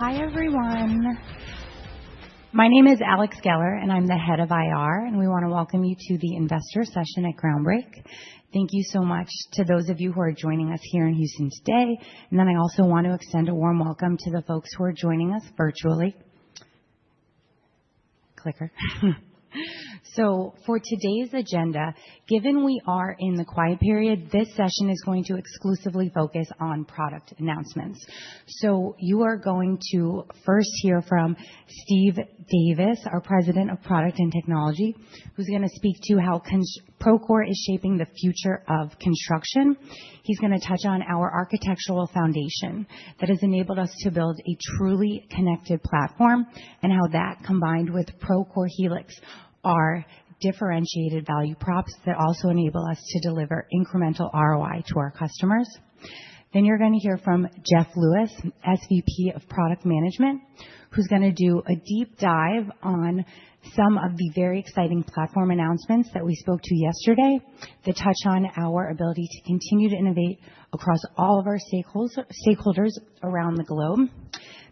Hi everyone. My name is Alex Geller, and I'm the head of IR, and we want to welcome you to the investor session at Groundbreak. Thank you so much to those of you who are joining us here in Houston today, and then I also want to extend a warm welcome to the folks who are joining us virtually. So for today's agenda, given we are in the quiet period, this session is going to exclusively focus on product announcements, so you are going to first hear from Steve Davis, our President of Product and Technology, who's going to speak to how Procore is shaping the future of construction. He's going to touch on our architectural foundation that has enabled us to build a truly connected platform, and how that, combined with Procore Helix, are differentiated value props that also enable us to deliver incremental ROI to our customers. Then you're going to hear from Jeff Lewis, SVP of Product Management, who's going to do a deep dive on some of the very exciting platform announcements that we spoke to yesterday that touch on our ability to continue to innovate across all of our stakeholders around the globe.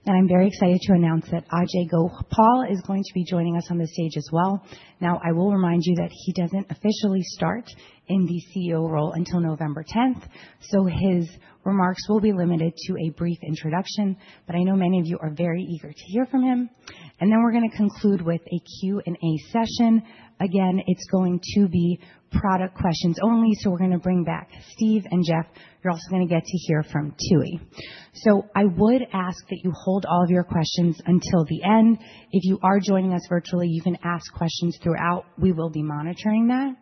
And I'm very excited to announce that Ajei Gopal is going to be joining us on the stage as well. Now, I will remind you that he doesn't officially start in the CEO role until November 10th, so his remarks will be limited to a brief introduction. But I know many of you are very eager to hear from him. And then we're going to conclude with a Q&A session. Again, it's going to be product questions only, so we're going to bring back Steve and Jeff. You're also going to get to hear from Tooey. So I would ask that you hold all of your questions until the end. If you are joining us virtually, you can ask questions throughout. We will be monitoring that.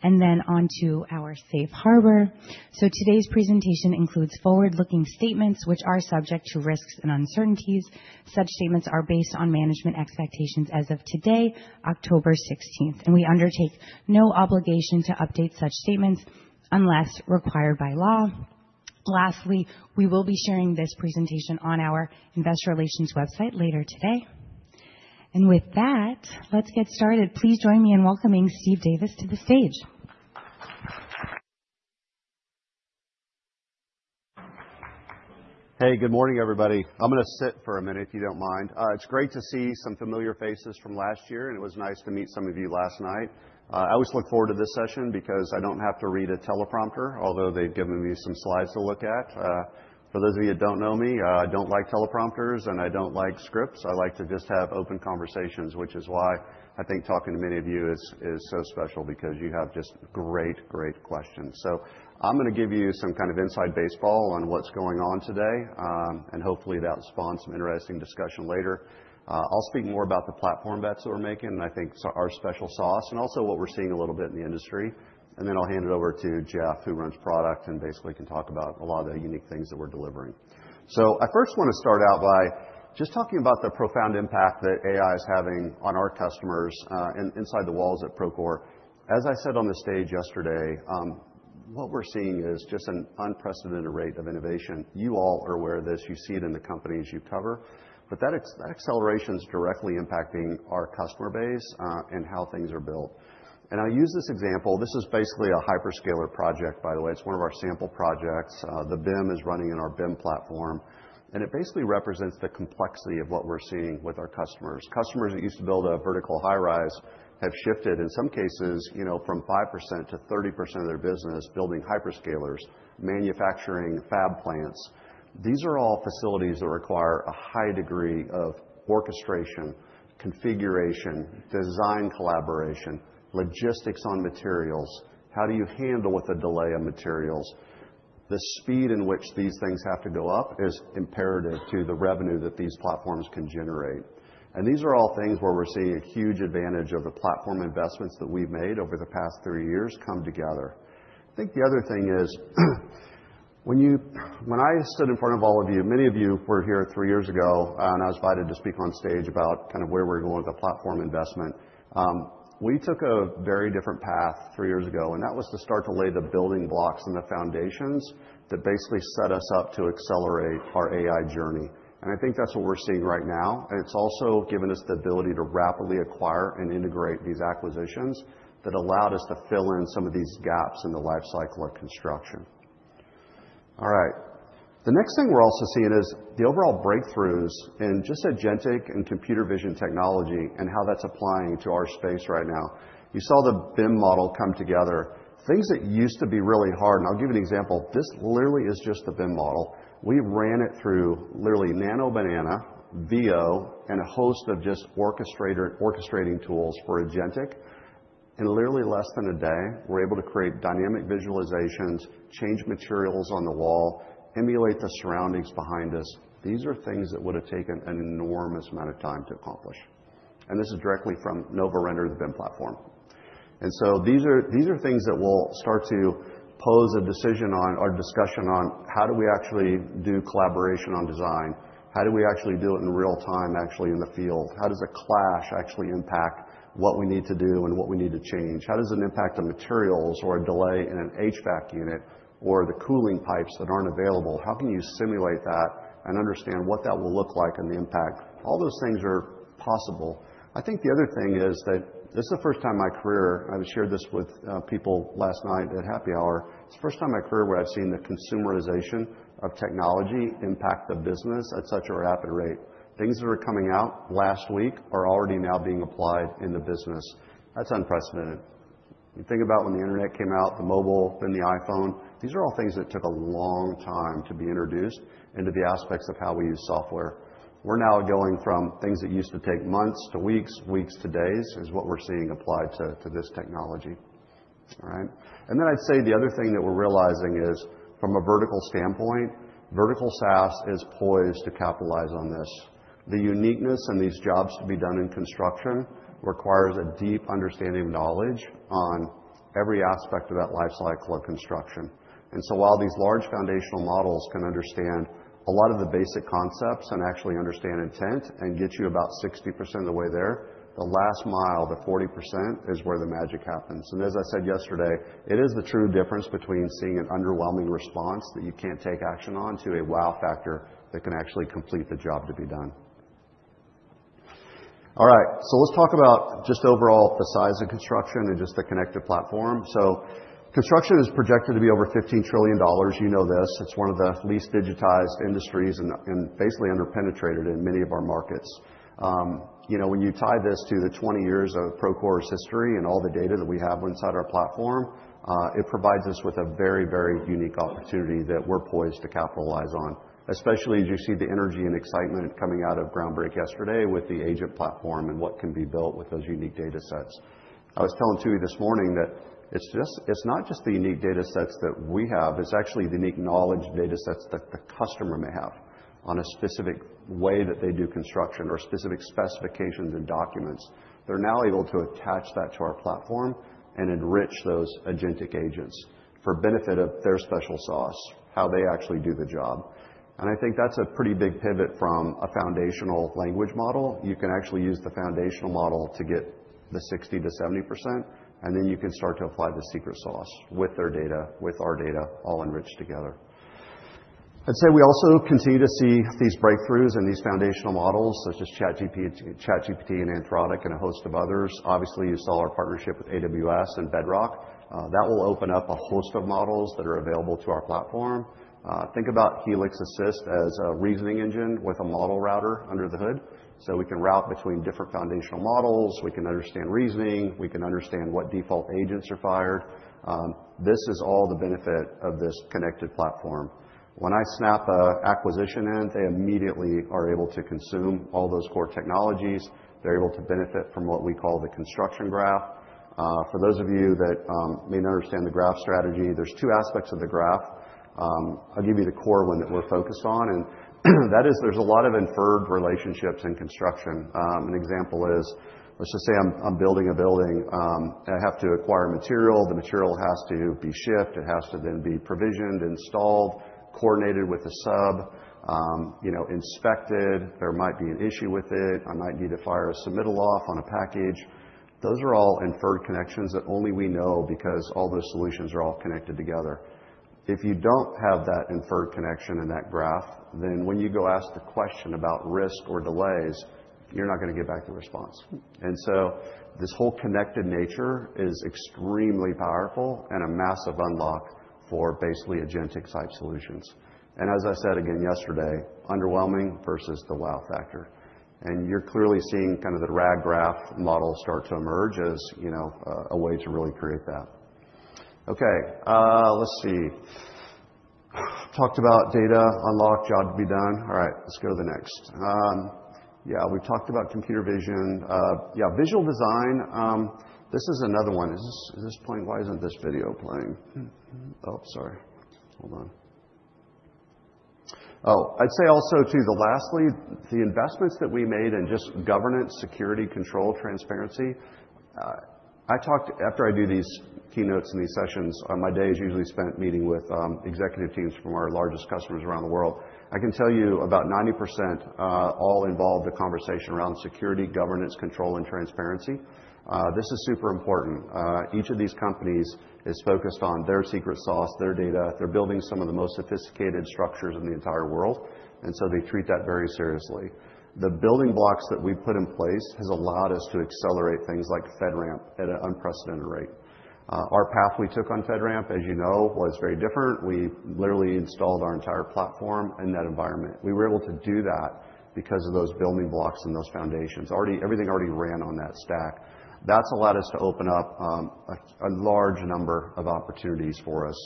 And then, on to our safe harbor. So today's presentation includes forward-looking statements, which are subject to risks and uncertainties. Such statements are based on management expectations as of today, October 16th. And we undertake no obligation to update such statements unless required by law. Lastly, we will be sharing this presentation on our investor relations website later today. And with that, let's get started. Please join me in welcoming Steve Davis to the stage. Hey, good morning, everybody. I'm going to sit for a minute, if you don't mind. It's great to see some familiar faces from last year, and it was nice to meet some of you last night. I always look forward to this session because I don't have to read a teleprompter, although they've given me some slides to look at. For those of you who don't know me, I don't like teleprompters, and I don't like scripts. I like to just have open conversations, which is why I think talking to many of you is so special because you have just great, great questions. So I'm going to give you some kind of inside baseball on what's going on today, and hopefully that'll spawn some interesting discussion later. I'll speak more about the platform bets that we're making, and I think our special sauce, and also what we're seeing a little bit in the industry. And then I'll hand it over to Jeff, who runs product and basically can talk about a lot of the unique things that we're delivering. So I first want to start out by just talking about the profound impact that AI is having on our customers and inside the walls at Procore. As I said on the stage yesterday, what we're seeing is just an unprecedented rate of innovation. You all are aware of this. You see it in the companies you cover. But that acceleration is directly impacting our customer base and how things are built. And I'll use this example. This is basically a hyperscaler project, by the way. It's one of our sample projects. The BIM is running in our BIM platform, and it basically represents the complexity of what we're seeing with our customers. Customers that used to build a vertical high rise have shifted, in some cases, from 5%-30% of their business building hyperscalers, manufacturing fab plants. These are all facilities that require a high degree of orchestration, configuration, design collaboration, logistics on materials. How do you handle with a delay of materials? The speed in which these things have to go up is imperative to the revenue that these platforms can generate, and these are all things where we're seeing a huge advantage of the platform investments that we've made over the past three years come together. I think the other thing is, when I stood in front of all of you, many of you were here three years ago, and I was invited to speak on stage about kind of where we're going with the platform investment. We took a very different path three years ago, and that was to start to lay the building blocks and the foundations that basically set us up to accelerate our AI journey. And I think that's what we're seeing right now. And it's also given us the ability to rapidly acquire and integrate these acquisitions that allowed us to fill in some of these gaps in the lifecycle of construction. All right. The next thing we're also seeing is the overall breakthroughs in just agentic and computer vision technology and how that's applying to our space right now. You saw the BIM model come together. Things that used to be really hard, and I'll give you an example. This literally is just the BIM model. We ran it through literally Nano Banana, VEO, and a host of just orchestrating tools for agentic. In literally less than a day, we're able to create dynamic visualizations, change materials on the wall, emulate the surroundings behind us. These are things that would have taken an enormous amount of time to accomplish. And this is directly from Novorender, the BIM platform. And so these are things that will start to pose a decision on our discussion on how do we actually do collaboration on design? How do we actually do it in real time, actually in the field? How does a clash actually impact what we need to do and what we need to change? How does it impact the materials or a delay in an HVAC unit or the cooling pipes that aren't available? How can you simulate that and understand what that will look like and the impact? All those things are possible. I think the other thing is that this is the first time in my career, and I've shared this with people last night at happy hour. It's the first time in my career where I've seen the consumerization of technology impact the business at such a rapid rate. Things that are coming out last week are already now being applied in the business. That's unprecedented. You think about when the internet came out, the mobile, then the iPhone. These are all things that took a long time to be introduced into the aspects of how we use software. We're now going from things that used to take months to weeks, weeks to days, is what we're seeing applied to this technology. All right, and then I'd say the other thing that we're realizing is from a vertical standpoint, vertical SaaS is poised to capitalize on this. The uniqueness and these jobs to be done in construction requires a deep understanding of knowledge on every aspect of that lifecycle of construction, and so while these large foundational models can understand a lot of the basic concepts and actually understand intent and get you about 60% of the way there, the last mile, the 40%, is where the magic happens, and as I said yesterday, it is the true difference between seeing an underwhelming response that you can't take action on to a wow factor that can actually complete the job to be done. All right. So let's talk about just overall the size of construction and just the connected platform. Construction is projected to be over $15 trillion. You know this. It's one of the least digitized industries and basically underpenetrated in many of our markets. When you tie this to the 20 years of Procore's history and all the data that we have inside our platform, it provides us with a very, very unique opportunity that we're poised to capitalize on, especially as you see the energy and excitement coming out of Groundbreak yesterday with the agent platform and what can be built with those unique data sets. I was telling Tooey this morning that it's not just the unique data sets that we have. It's actually the unique knowledge data sets that the customer may have on a specific way that they do construction or specific specifications and documents. They're now able to attach that to our platform and enrich those agentic agents for benefit of their special sauce, how they actually do the job, and I think that's a pretty big pivot from a foundational language model. You can actually use the foundational model to get the 60%-70%, and then you can start to apply the secret sauce with their data, with our data, all enriched together. I'd say we also continue to see these breakthroughs and these foundational models, such as ChatGPT and Anthropic and a host of others. Obviously, you saw our partnership with AWS and Bedrock. That will open up a host of models that are available to our platform. Think about Helix Assist as a reasoning engine with a model router under the hood, so we can route between different foundational models. We can understand reasoning. We can understand what default agents are fired. This is all the benefit of this connected platform. When I snap an acquisition in, they immediately are able to consume all those core technologies. They're able to benefit from what we call the construction graph. For those of you that may not understand the graph strategy, there's two aspects of the graph. I'll give you the core one that we're focused on, and that is there's a lot of inferred relationships in construction. An example is, let's just say I'm building a building. I have to acquire material. The material has to be shipped. It has to then be provisioned, installed, coordinated with a sub, inspected. There might be an issue with it. I might need to fire a submittal off on a package. Those are all inferred connections that only we know because all those solutions are all connected together. If you don't have that inferred connection and that graph, then when you go ask the question about risk or delays, you're not going to get back the response. And so this whole connected nature is extremely powerful and a massive unlock for basically agentic-type solutions. And as I said again yesterday, underwhelming versus the wow factor. And you're clearly seeing kind of the RAG graph model start to emerge as a way to really create that. Okay. Let's see. Talked about data unlock, job to be done. All right. Let's go to the next. Yeah. We've talked about computer vision. Yeah. Visual design. This is another one. At this point, why isn't this video playing? Oh, sorry. Hold on. Oh, I'd say also too lastly, the investments that we made in just governance, security, control, transparency. After I do these keynotes and these sessions, my day is usually spent meeting with executive teams from our largest customers around the world. I can tell you, about 90% all involved the conversation around security, governance, control, and transparency. This is super important. Each of these companies is focused on their secret sauce, their data. They're building some of the most sophisticated structures in the entire world, and so they treat that very seriously. The building blocks that we put in place have allowed us to accelerate things like FedRAMP at an unprecedented rate. Our path we took on FedRAMP, as you know, was very different. We literally installed our entire platform in that environment. We were able to do that because of those building blocks and those foundations. Everything already ran on that stack. That's allowed us to open up a large number of opportunities for us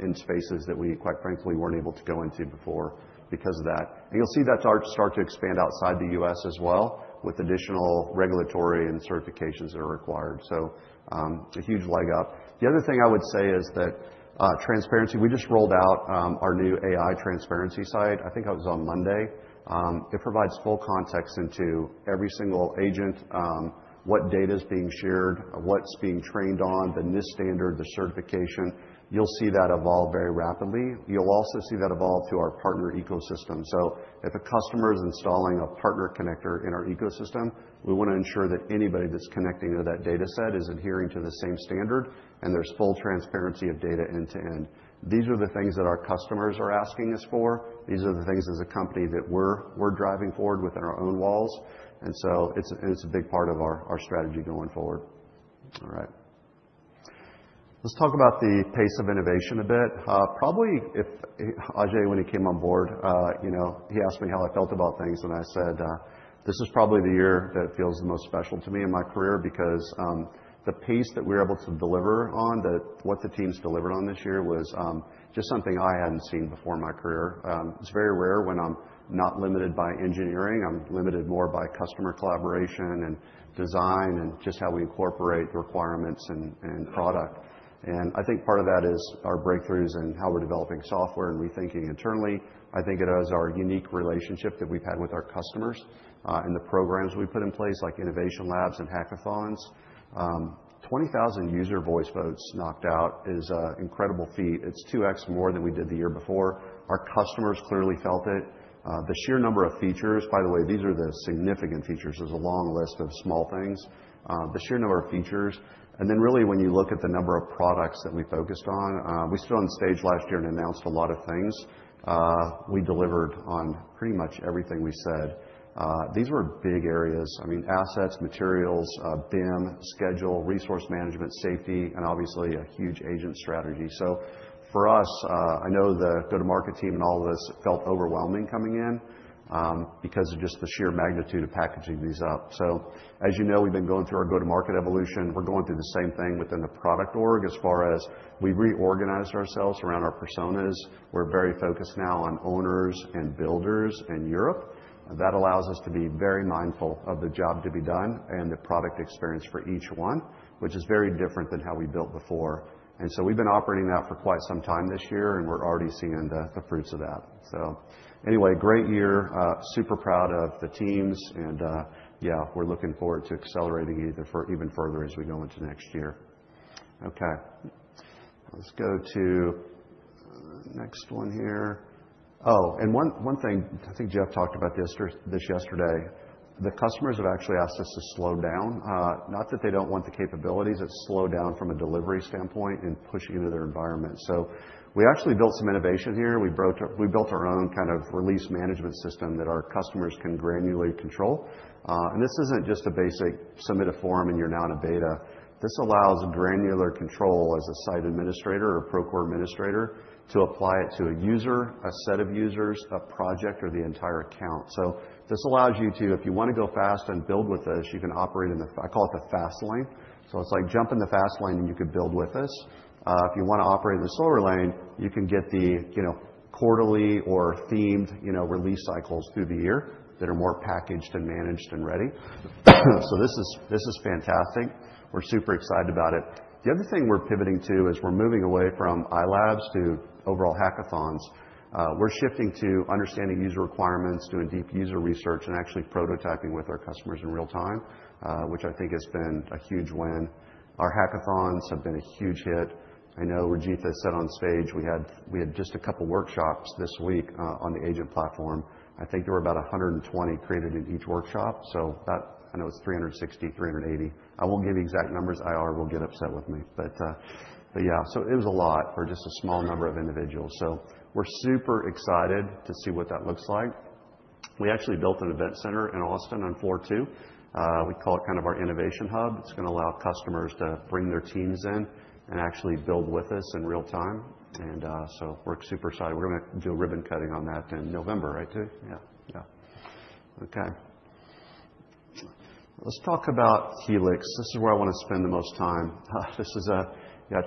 in spaces that we, quite frankly, weren't able to go into before because of that. And you'll see that start to expand outside the U.S. as well with additional regulatory and certifications that are required. So a huge leg up. The other thing I would say is that transparency, we just rolled out our new AI transparency site. I think it was on Monday. It provides full context into every single agent, what data is being shared, what's being trained on, the NIST standard, the certification. You'll see that evolve very rapidly. You'll also see that evolve to our partner ecosystem. So if a customer is installing a partner connector in our ecosystem, we want to ensure that anybody that's connecting to that data set is adhering to the same standard, and there's full transparency of data end to end. These are the things that our customers are asking us for. These are the things as a company that we're driving forward within our own walls. And so it's a big part of our strategy going forward. All right. Let's talk about the pace of innovation a bit. Probably if Ajei, when he came on board, he asked me how I felt about things, and I said, "This is probably the year that feels the most special to me in my career because the pace that we were able to deliver on, what the teams delivered on this year was just something I hadn't seen before in my career." It's very rare when I'm not limited by engineering. I'm limited more by customer collaboration and design and just how we incorporate the requirements and product. And I think part of that is our breakthroughs and how we're developing software and rethinking internally. I think it is our unique relationship that we've had with our customers and the programs we put in place, like innovation labs and hackathons. 20,000 user voice votes knocked out is an incredible feat. It's 2x more than we did the year before. Our customers clearly felt it. The sheer number of features, by the way, these are the significant features. There's a long list of small things. The sheer number of features and then really, when you look at the number of products that we focused on, we stood on stage last year and announced a lot of things. We delivered on pretty much everything we said. These were big areas. I mean, assets, materials, BIM, schedule, resource management, safety, and obviously a huge agent strategy, so for us, I know the go-to-market team and all of this felt overwhelming coming in because of just the sheer magnitude of packaging these up, so as you know, we've been going through our go-to-market evolution. We're going through the same thing within the product org as far as we reorganized ourselves around our personas. We're very focused now on owners and builders in Europe. That allows us to be very mindful of the job to be done and the product experience for each one, which is very different than how we built before. And so we've been operating that for quite some time this year, and we're already seeing the fruits of that. So anyway, great year. Super proud of the teams. And yeah, we're looking forward to accelerating even further as we go into next year. Okay. Let's go to the next one here. Oh, and one thing, I think Jeff talked about this yesterday. The customers have actually asked us to slow down. Not that they don't want the capabilities. It's slow down from a delivery standpoint and pushing into their environment. So we actually built some innovation here. We built our own kind of release management system that our customers can granularly control. And this isn't just a basic submit a form and you're now in a beta. This allows granular control as a site administrator or Procore administrator to apply it to a user, a set of users, a project, or the entire account. So this allows you to, if you want to go fast and build with us, you can operate in the, I call it the fast lane. So it's like jump in the fast lane and you could build with us. If you want to operate in the slower lane, you can get the quarterly or themed release cycles through the year that are more packaged and managed and ready. So this is fantastic. We're super excited about it. The other thing we're pivoting to is we're moving away from iLabs to overall hackathons. We're shifting to understanding user requirements, doing deep user research, and actually prototyping with our customers in real time, which I think has been a huge win. Our hackathons have been a huge hit. I know Ranjith has said on stage we had just a couple of workshops this week on the agent platform. I think there were about 120 created in each workshop, so I know it's 360, 380. I won't give you exact numbers. IR will get upset with me. But yeah, so it was a lot for just a small number of individuals, so we're super excited to see what that looks like. We actually built an event center in Austin on floor two. We call it kind of our innovation hub. It's going to allow customers to bring their teams in and actually build with us in real time, and so we're super excited. We're going to do ribbon cutting on that in November, right, Tooey? Yeah. Yeah. Okay. Let's talk about Helix. This is where I want to spend the most time. This is a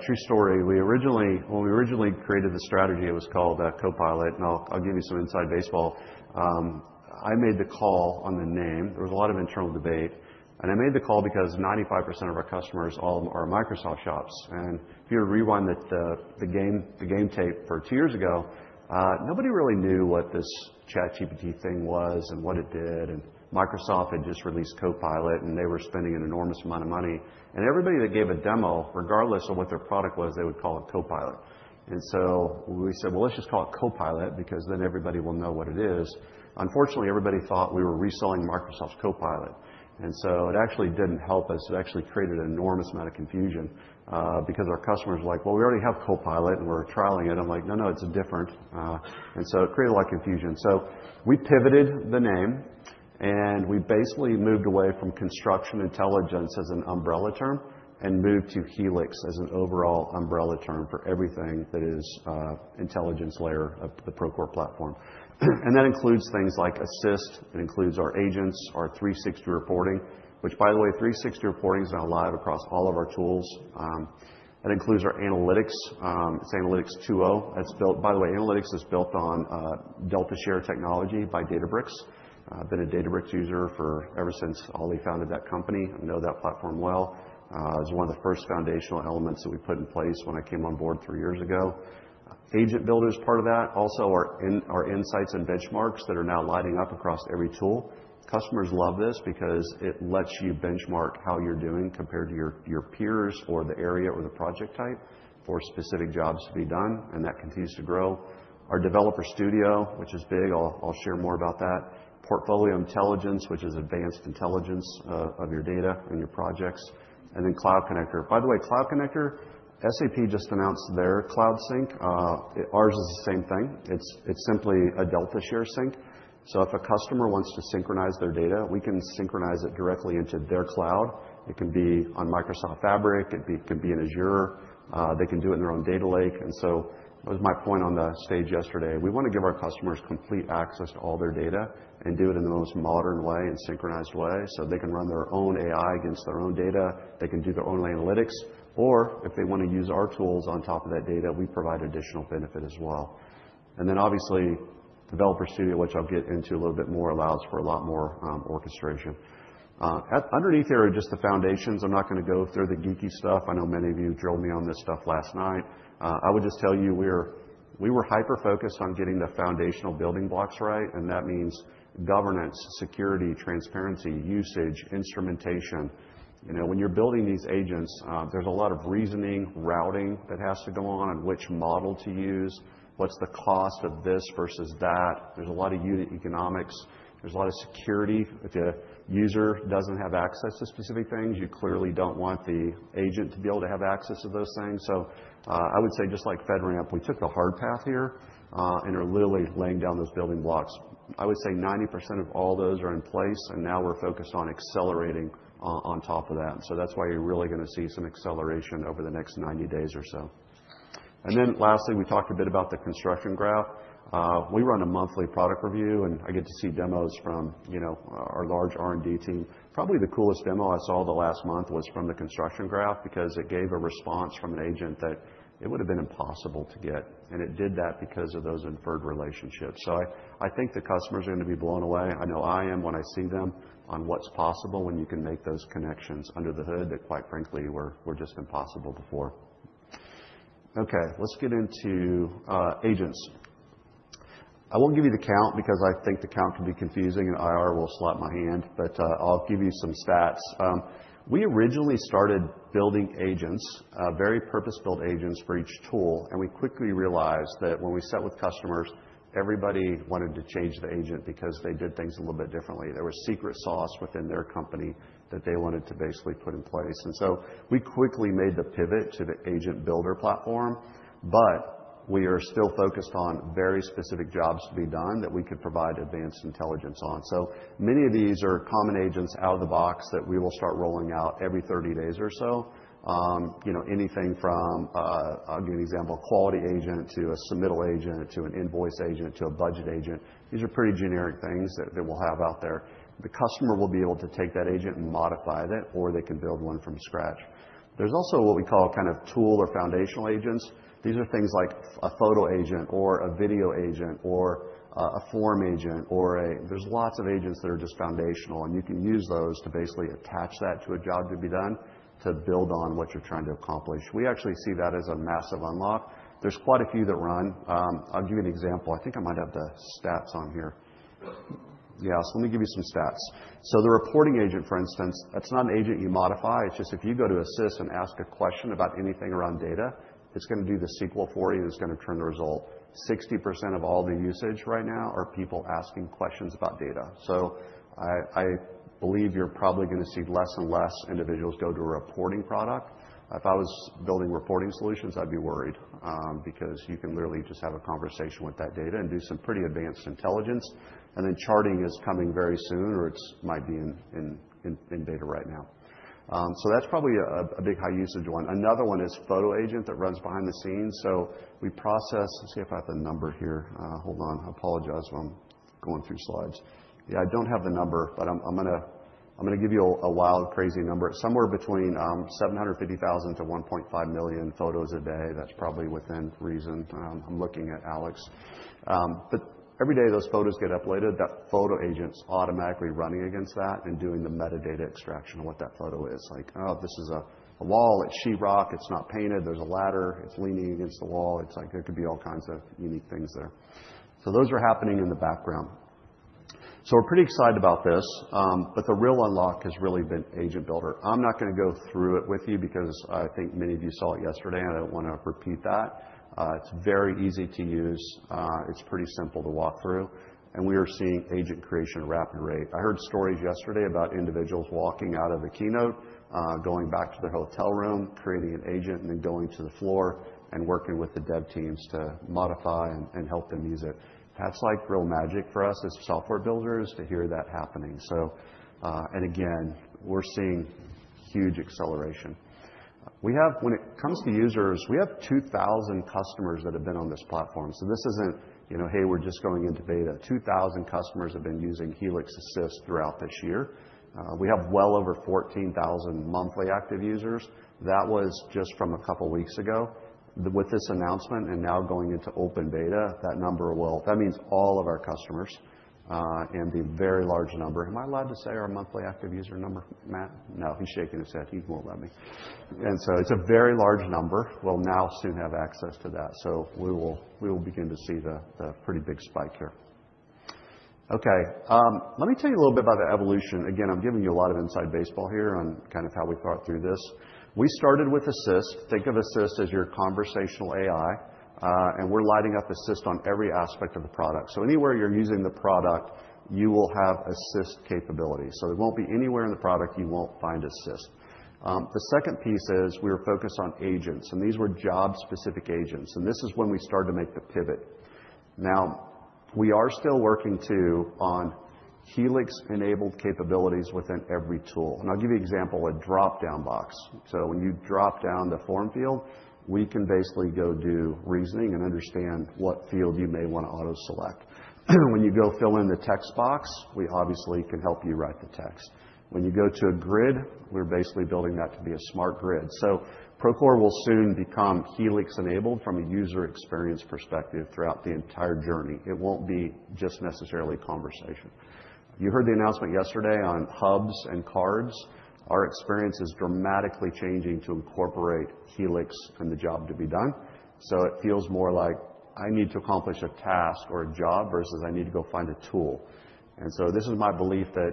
true story. When we originally created the strategy, it was called Copilot. And I'll give you some inside baseball. I made the call on the name. There was a lot of internal debate. And I made the call because 95% of our customers are Microsoft shops. And if you rewind the game tape for two years ago, nobody really knew what this ChatGPT thing was and what it did. And Microsoft had just released Copilot, and they were spending an enormous amount of money. And everybody that gave a demo, regardless of what their product was, they would call it Copilot. And so we said, "Well, let's just call it Copilot because then everybody will know what it is." Unfortunately, everybody thought we were reselling Microsoft's Copilot. And so it actually didn't help us. It actually created an enormous amount of confusion because our customers were like, "Well, we already have Copilot and we're trialing it." I'm like, "No, no, it's different." And so it created a lot of confusion. So we pivoted the name, and we basically moved away from construction intelligence as an umbrella term and moved to Helix as an overall umbrella term for everything that is intelligence layer of the Procore platform. And that includes things like Assist. It includes our agents, our 360 reporting, which, by the way, 360 reporting is now live across all of our tools. It includes our analytics. It's Analytics 2.0. By the way, Analytics is built on DeltaShare technology by Databricks. I've been a Databricks user ever since Ali founded that company. I know that platform well. It was one of the first foundational elements that we put in place when I came on board three years ago. Agent Builder is part of that. Also, our insights and benchmarks that are now lining up across every tool. Customers love this because it lets you benchmark how you're doing compared to your peers or the area or the project type for specific jobs to be done, and that continues to grow. Our Developer Studio, which is big. I'll share more about that. Portfolio Intelligence, which is advanced intelligence of your data and your projects. And then Cloud Connector. By the way, Cloud Connector, SAP just announced their Cloud Sync. Ours is the same thing. It's simply a DeltaShare Sync. So if a customer wants to synchronize their data, we can synchronize it directly into their cloud. It can be on Microsoft Fabric. It can be in Azure. They can do it in their own data lake. And so that was my point on the stage yesterday. We want to give our customers complete access to all their data and do it in the most modern way and synchronized way so they can run their own AI against their own data. They can do their own analytics. Or if they want to use our tools on top of that data, we provide additional benefit as well. And then obviously, Developer Studio, which I'll get into a little bit more, allows for a lot more orchestration. Underneath here are just the foundations. I'm not going to go through the geeky stuff. I know many of you drilled me on this stuff last night. I would just tell you we were hyper-focused on getting the foundational building blocks right, and that means governance, security, transparency, usage, instrumentation. When you're building these agents, there's a lot of reasoning, routing that has to go on and which model to use. What's the cost of this versus that? There's a lot of unit economics. There's a lot of security. If a user doesn't have access to specific things, you clearly don't want the agent to be able to have access to those things. So I would say just like FedRAMP, we took the hard path here and are literally laying down those building blocks. I would say 90% of all those are in place, and now we're focused on accelerating on top of that. And so that's why you're really going to see some acceleration over the next 90 days or so. And then lastly, we talked a bit about the construction graph. We run a monthly product review, and I get to see demos from our large R&D team. Probably the coolest demo I saw the last month was from the construction graph because it gave a response from an agent that it would have been impossible to get. And it did that because of those inferred relationships. So I think the customers are going to be blown away. I know I am when I see them on what's possible when you can make those connections under the hood that, quite frankly, were just impossible before. Okay. Let's get into agents. I won't give you the count because I think the count can be confusing, and IR will slap my hand, but I'll give you some stats. We originally started building agents, very purpose-built agents for each tool, and we quickly realized that when we sat with customers, everybody wanted to change the agent because they did things a little bit differently. There was secret sauce within their company that they wanted to basically put in place, and so we quickly made the pivot to the Agent Builder platform, but we are still focused on very specific jobs to be done that we could provide advanced intelligence on, so many of these are common agents out of the box that we will start rolling out every 30 days or so. Anything from, I'll give you an example, a quality agent to a submittal agent to an invoice agent to a budget agent. These are pretty generic things that we'll have out there. The customer will be able to take that agent and modify it, or they can build one from scratch. There's also what we call kind of tool or foundational agents. These are things like a photo agent or a video agent or a form agent. There's lots of agents that are just foundational, and you can use those to basically attach that to a job to be done to build on what you're trying to accomplish. We actually see that as a massive unlock. There's quite a few that run. I'll give you an example. I think I might have the stats on here. Yeah. So let me give you some stats. So the reporting agent, for instance, it's not an agent you modify. It's just if you go to Assist and ask a question about anything around data, it's going to do the SQL for you, and it's going to turn the result. 60% of all the usage right now are people asking questions about data. So I believe you're probably going to see less and less individuals go to a reporting product. If I was building reporting solutions, I'd be worried because you can literally just have a conversation with that data and do some pretty advanced intelligence. And then charting is coming very soon, or it might be in beta right now. So that's probably a big high-usage one. Another one is photo agent that runs behind the scenes. So we process. Let's see if I have the number here. Hold on. I apologize while I'm going through slides. Yeah, I don't have the number, but I'm going to give you a wild, crazy number. Somewhere between 750,000 to 1.5 million photos a day. That's probably within reason. I'm looking at Alex, but every day those photos get uploaded, that photo agent's automatically running against that and doing the metadata extraction of what that photo is. Like, "Oh, this is a wall. It's sheet rock. It's not painted. There's a ladder. It's leaning against the wall." It's like there could be all kinds of unique things there, so those are happening in the background, so we're pretty excited about this, but the real unlock has really been Agent Builder. I'm not going to go through it with you because I think many of you saw it yesterday, and I don't want to repeat that. It's very easy to use. It's pretty simple to walk through. And we are seeing agent creation at a rapid rate. I heard stories yesterday about individuals walking out of a keynote, going back to their hotel room, creating an agent, and then going to the floor and working with the dev teams to modify and help them use it. That's like real magic for us as software builders to hear that happening. And again, we're seeing huge acceleration. When it comes to users, we have 2,000 customers that have been on this platform. So this isn't, "Hey, we're just going into beta." 2,000 customers have been using Helix Assist throughout this year. We have well over 14,000 monthly active users. That was just from a couple of weeks ago. With this announcement and now going into open beta, that number will, that means all of our customers and the very large number. Am I allowed to say our monthly active user number, Matt? No, he's shaking his head. He won't let me. And so it's a very large number. We'll now soon have access to that. So we will begin to see the pretty big spike here. Okay. Let me tell you a little bit about the evolution. Again, I'm giving you a lot of inside baseball here on kind of how we thought through this. We started with Assist. Think of Assist as your conversational AI, and we're lighting up Assist on every aspect of the product. So anywhere you're using the product, you will have Assist capability. So it won't be anywhere in the product you won't find Assist. The second piece is we were focused on agents, and these were job-specific agents. And this is when we started to make the pivot. Now, we are still working too on Helix-enabled capabilities within every tool, and I'll give you an example of a drop-down box, so when you drop down the form field, we can basically go do reasoning and understand what field you may want to auto-select. When you go fill in the text box, we obviously can help you write the text. When you go to a grid, we're basically building that to be a smart grid, so Procore will soon become Helix-enabled from a user experience perspective throughout the entire journey. It won't be just necessarily conversation. You heard the announcement yesterday on hubs and cards. Our experience is dramatically changing to incorporate Helix in the job to be done, so it feels more like I need to accomplish a task or a job versus I need to go find a tool. And so this is my belief that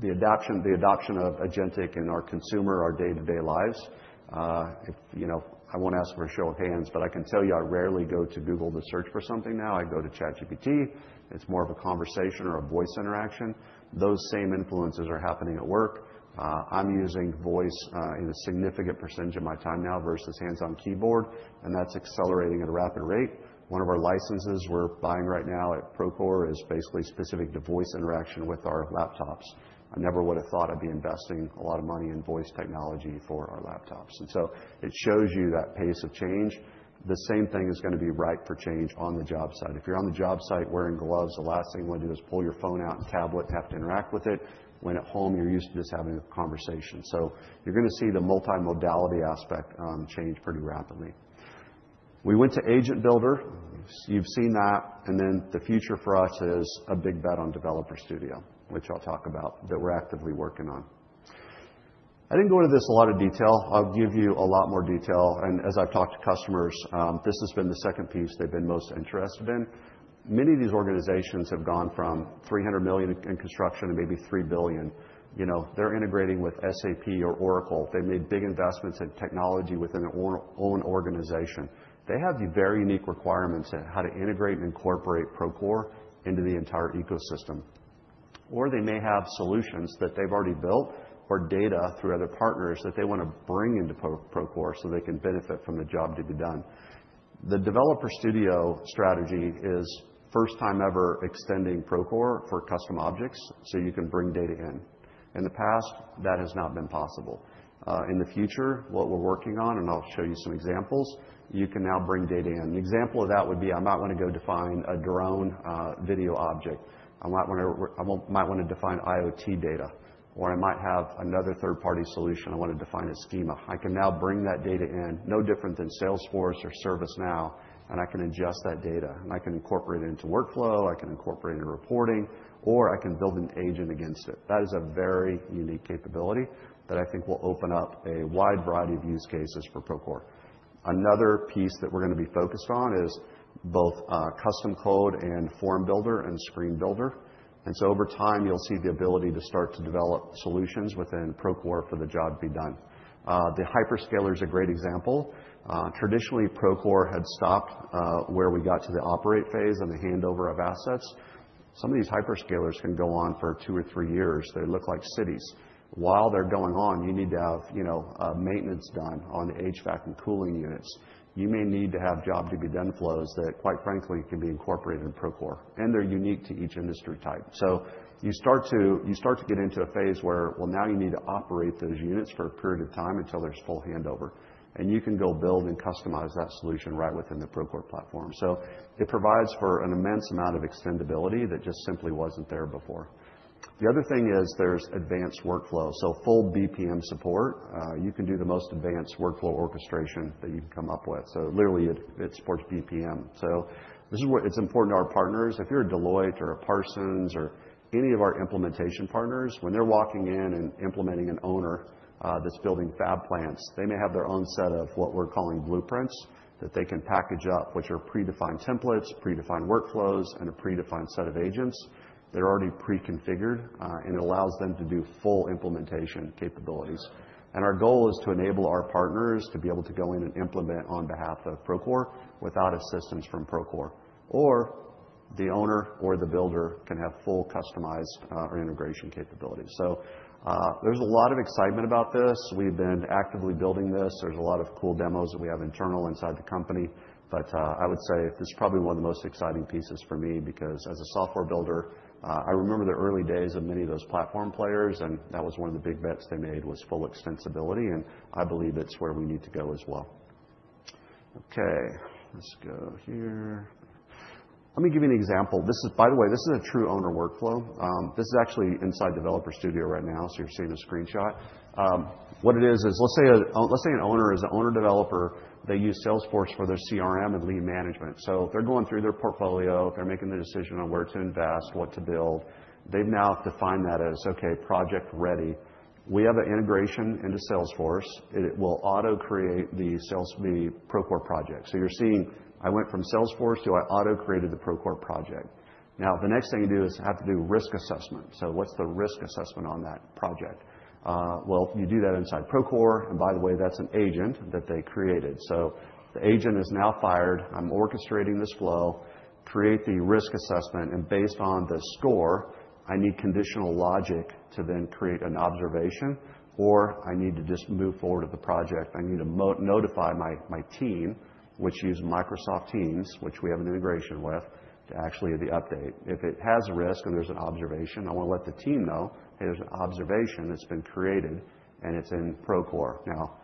the adoption of Agentic in our consumer, our day-to-day lives, I won't ask for a show of hands, but I can tell you I rarely go to Google to search for something now. I go to ChatGPT. It's more of a conversation or a voice interaction. Those same influences are happening at work. I'm using voice in a significant percentage of my time now versus hands-on keyboard, and that's accelerating at a rapid rate. One of our licenses we're buying right now at Procore is basically specific to voice interaction with our laptops. I never would have thought I'd be investing a lot of money in voice technology for our laptops. And so it shows you that pace of change. The same thing is going to be ripe for change on the job site. If you're on the job site wearing gloves, the last thing you want to do is pull your phone out and tablet and have to interact with it when at home you're used to just having a conversation, so you're going to see the multi-modality aspect change pretty rapidly. We went to Agent Builder. You've seen that, and then the future for us is a big bet on Developer Studio, which I'll talk about that we're actively working on. I didn't go into this a lot of detail. I'll give you a lot more detail, and as I've talked to customers, this has been the second piece they've been most interested in. Many of these organizations have gone from $300 million in construction to maybe $3 billion. They're integrating with SAP or Oracle. They've made big investments in technology within their own organization. They have very unique requirements on how to integrate and incorporate Procore into the entire ecosystem, or they may have solutions that they've already built or data through other partners that they want to bring into Procore so they can benefit from the job to be done. The Developer Studio strategy is first time ever extending Procore for custom objects so you can bring data in. In the past, that has not been possible. In the future, what we're working on, and I'll show you some examples, you can now bring data in. An example of that would be, I might want to go define a drone video object. I might want to define IoT data, or I might have another third-party solution I want to define as schema. I can now bring that data in, no different than Salesforce or ServiceNow, and I can adjust that data. And I can incorporate it into workflow. I can incorporate it into reporting, or I can build an agent against it. That is a very unique capability that I think will open up a wide variety of use cases for Procore. Another piece that we're going to be focused on is both custom code and form builder and screen builder. And so over time, you'll see the ability to start to develop solutions within Procore for the job to be done. The hyperscaler is a great example. Traditionally, Procore had stopped where we got to the operate phase and the handover of assets. Some of these hyperscalers can go on for two or three years. They look like cities. While they're going on, you need to have maintenance done on the HVAC and cooling units. You may need to have job-to-be-done flows that, quite frankly, can be incorporated in Procore. And they're unique to each industry type. So you start to get into a phase where, well, now you need to operate those units for a period of time until there's full handover. And you can go build and customize that solution right within the Procore platform. So it provides for an immense amount of extendability that just simply wasn't there before. The other thing is there's advanced workflow. So full BPM support. You can do the most advanced workflow orchestration that you can come up with. So literally, it supports BPM. So it's important to our partners. If you're a Deloitte or a Parsons or any of our implementation partners, when they're walking in and implementing an owner that's building fab plants, they may have their own set of what we're calling blueprints that they can package up, which are predefined templates, predefined workflows, and a predefined set of agents. They're already preconfigured, and it allows them to do full implementation capabilities, and our goal is to enable our partners to be able to go in and implement on behalf of Procore without assistance from Procore or the owner or the builder can have full customized integration capability, so there's a lot of excitement about this. We've been actively building this. There's a lot of cool demos that we have internal inside the company. But I would say this is probably one of the most exciting pieces for me because, as a software builder, I remember the early days of many of those platform players, and that was one of the big bets they made was full extensibility. And I believe it's where we need to go as well. Okay. Let's go here. Let me give you an example. By the way, this is a true owner workflow. This is actually inside Developer Studio right now, so you're seeing a screenshot. What it is is let's say an owner is an owner-developer. They use Salesforce for their CRM and lead management. So they're going through their portfolio. They're making the decision on where to invest, what to build. They've now defined that as, "Okay, project ready." We have an integration into Salesforce. It will auto-create the Procore project. So you're seeing I went from Salesforce to I auto-created the Procore project. Now, the next thing you do is have to do risk assessment. So what's the risk assessment on that project? Well, you do that inside Procore. And by the way, that's an agent that they created. So the agent is now fired. I'm orchestrating this flow. Create the risk assessment. And based on the score, I need conditional logic to then create an observation, or I need to just move forward with the project. I need to notify my team, which uses Microsoft Teams, which we have an integration with, to actually do the update. If it has a risk and there's an observation, I want to let the team know, "Hey, there's an observation that's been created, and it's in Procore." Now,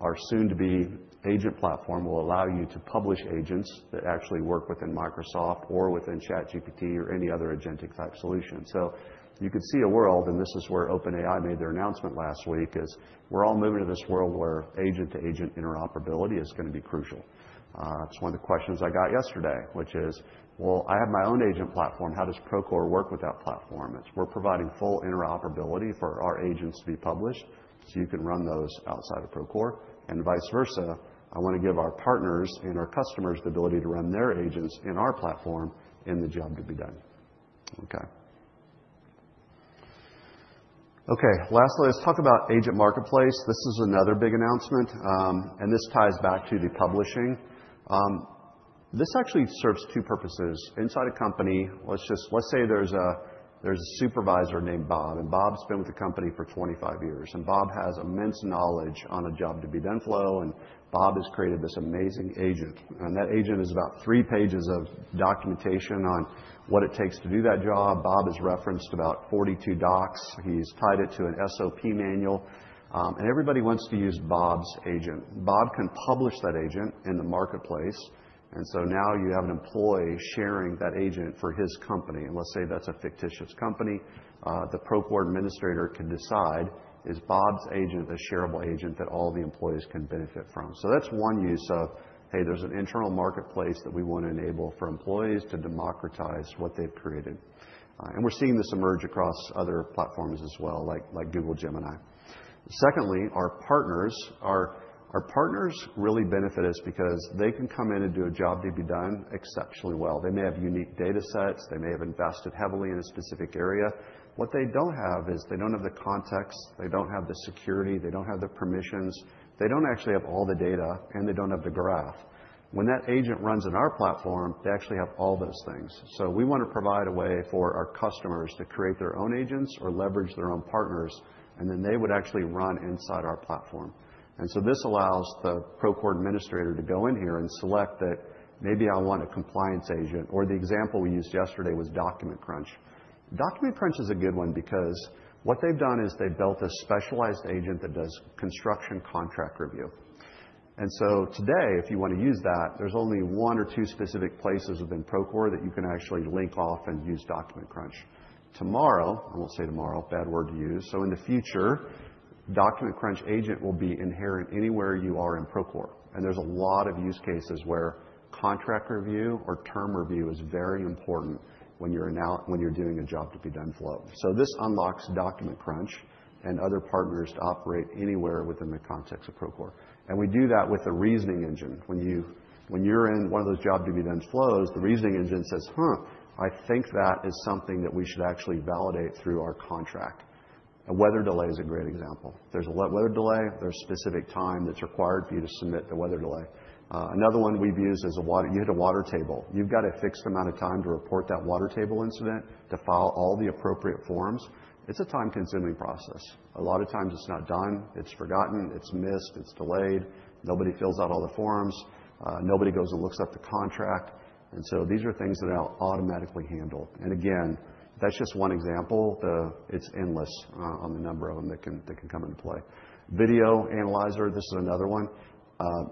our soon-to-be agent platform will allow you to publish agents that actually work within Microsoft or within ChatGPT or any other Agentic-type solution. So you could see a world, and this is where OpenAI made their announcement last week, is we're all moving to this world where agent-to-agent interoperability is going to be crucial. It's one of the questions I got yesterday, which is, "Well, I have my own agent platform. How does Procore work with that platform?" We're providing full interoperability for our agents to be published so you can run those outside of Procore and vice versa. I want to give our partners and our customers the ability to run their agents in our platform in the job to be done. Okay. Okay. Lastly, let's talk about Agent Marketplace. This is another big announcement, and this ties back to the publishing. This actually serves two purposes. Inside a company, let's say there's a supervisor named Bob, and Bob's been with the company for 25 years. And Bob has immense knowledge on a job-to-be-done flow, and Bob has created this amazing agent. And that agent is about three pages of documentation on what it takes to do that job. Bob has referenced about 42 docs. He's tied it to an SOP manual. And everybody wants to use Bob's agent. Bob can publish that agent in the marketplace. And so now you have an employee sharing that agent for his company. And let's say that's a fictitious company. The Procore administrator can decide, "Is Bob's agent a shareable agent that all the employees can benefit from?" So that's one use of, "Hey, there's an internal marketplace that we want to enable for employees to democratize what they've created." And we're seeing this emerge across other platforms as well, like Google Gemini. Secondly, our partners really benefit us because they can come in and do a job-to-be-done exceptionally well. They may have unique data sets. They may have invested heavily in a specific area. What they don't have is they don't have the context. They don't have the security. They don't have the permissions. They don't actually have all the data, and they don't have the graph. When that agent runs in our platform, they actually have all those things. So we want to provide a way for our customers to create their own agents or leverage their own partners, and then they would actually run inside our platform. And so this allows the Procore administrator to go in here and select that maybe I want a compliance agent, or the example we used yesterday was Document Crunch. Document Crunch is a good one because what they've done is they've built a specialized agent that does construction contract review. And so today, if you want to use that, there's only one or two specific places within Procore that you can actually link off and use Document Crunch. Tomorrow, and we'll say tomorrow, bad word to use, so in the future, Document Crunch agent will be inherent anywhere you are in Procore. There's a lot of use cases where contract review or term review is very important when you're doing a job-to-be-done flow. This unlocks Document Crunch and other partners to operate anywhere within the context of Procore. We do that with a reasoning engine. When you're in one of those job-to-be-done flows, the reasoning engine says, "Huh, I think that is something that we should actually validate through our contract." A weather delay is a great example. There's a weather delay. There's a specific time that's required for you to submit the weather delay. Another one we've used is a water table. You hit a water table. You've got a fixed amount of time to report that water table incident, to file all the appropriate forms. It's a time-consuming process. A lot of times, it's not done. It's forgotten. It's missed. It's delayed. Nobody fills out all the forms. Nobody goes and looks up the contract, and so these are things that are automatically handled. And again, that's just one example. It's endless on the number of them that can come into play. Video analyzer, this is another one.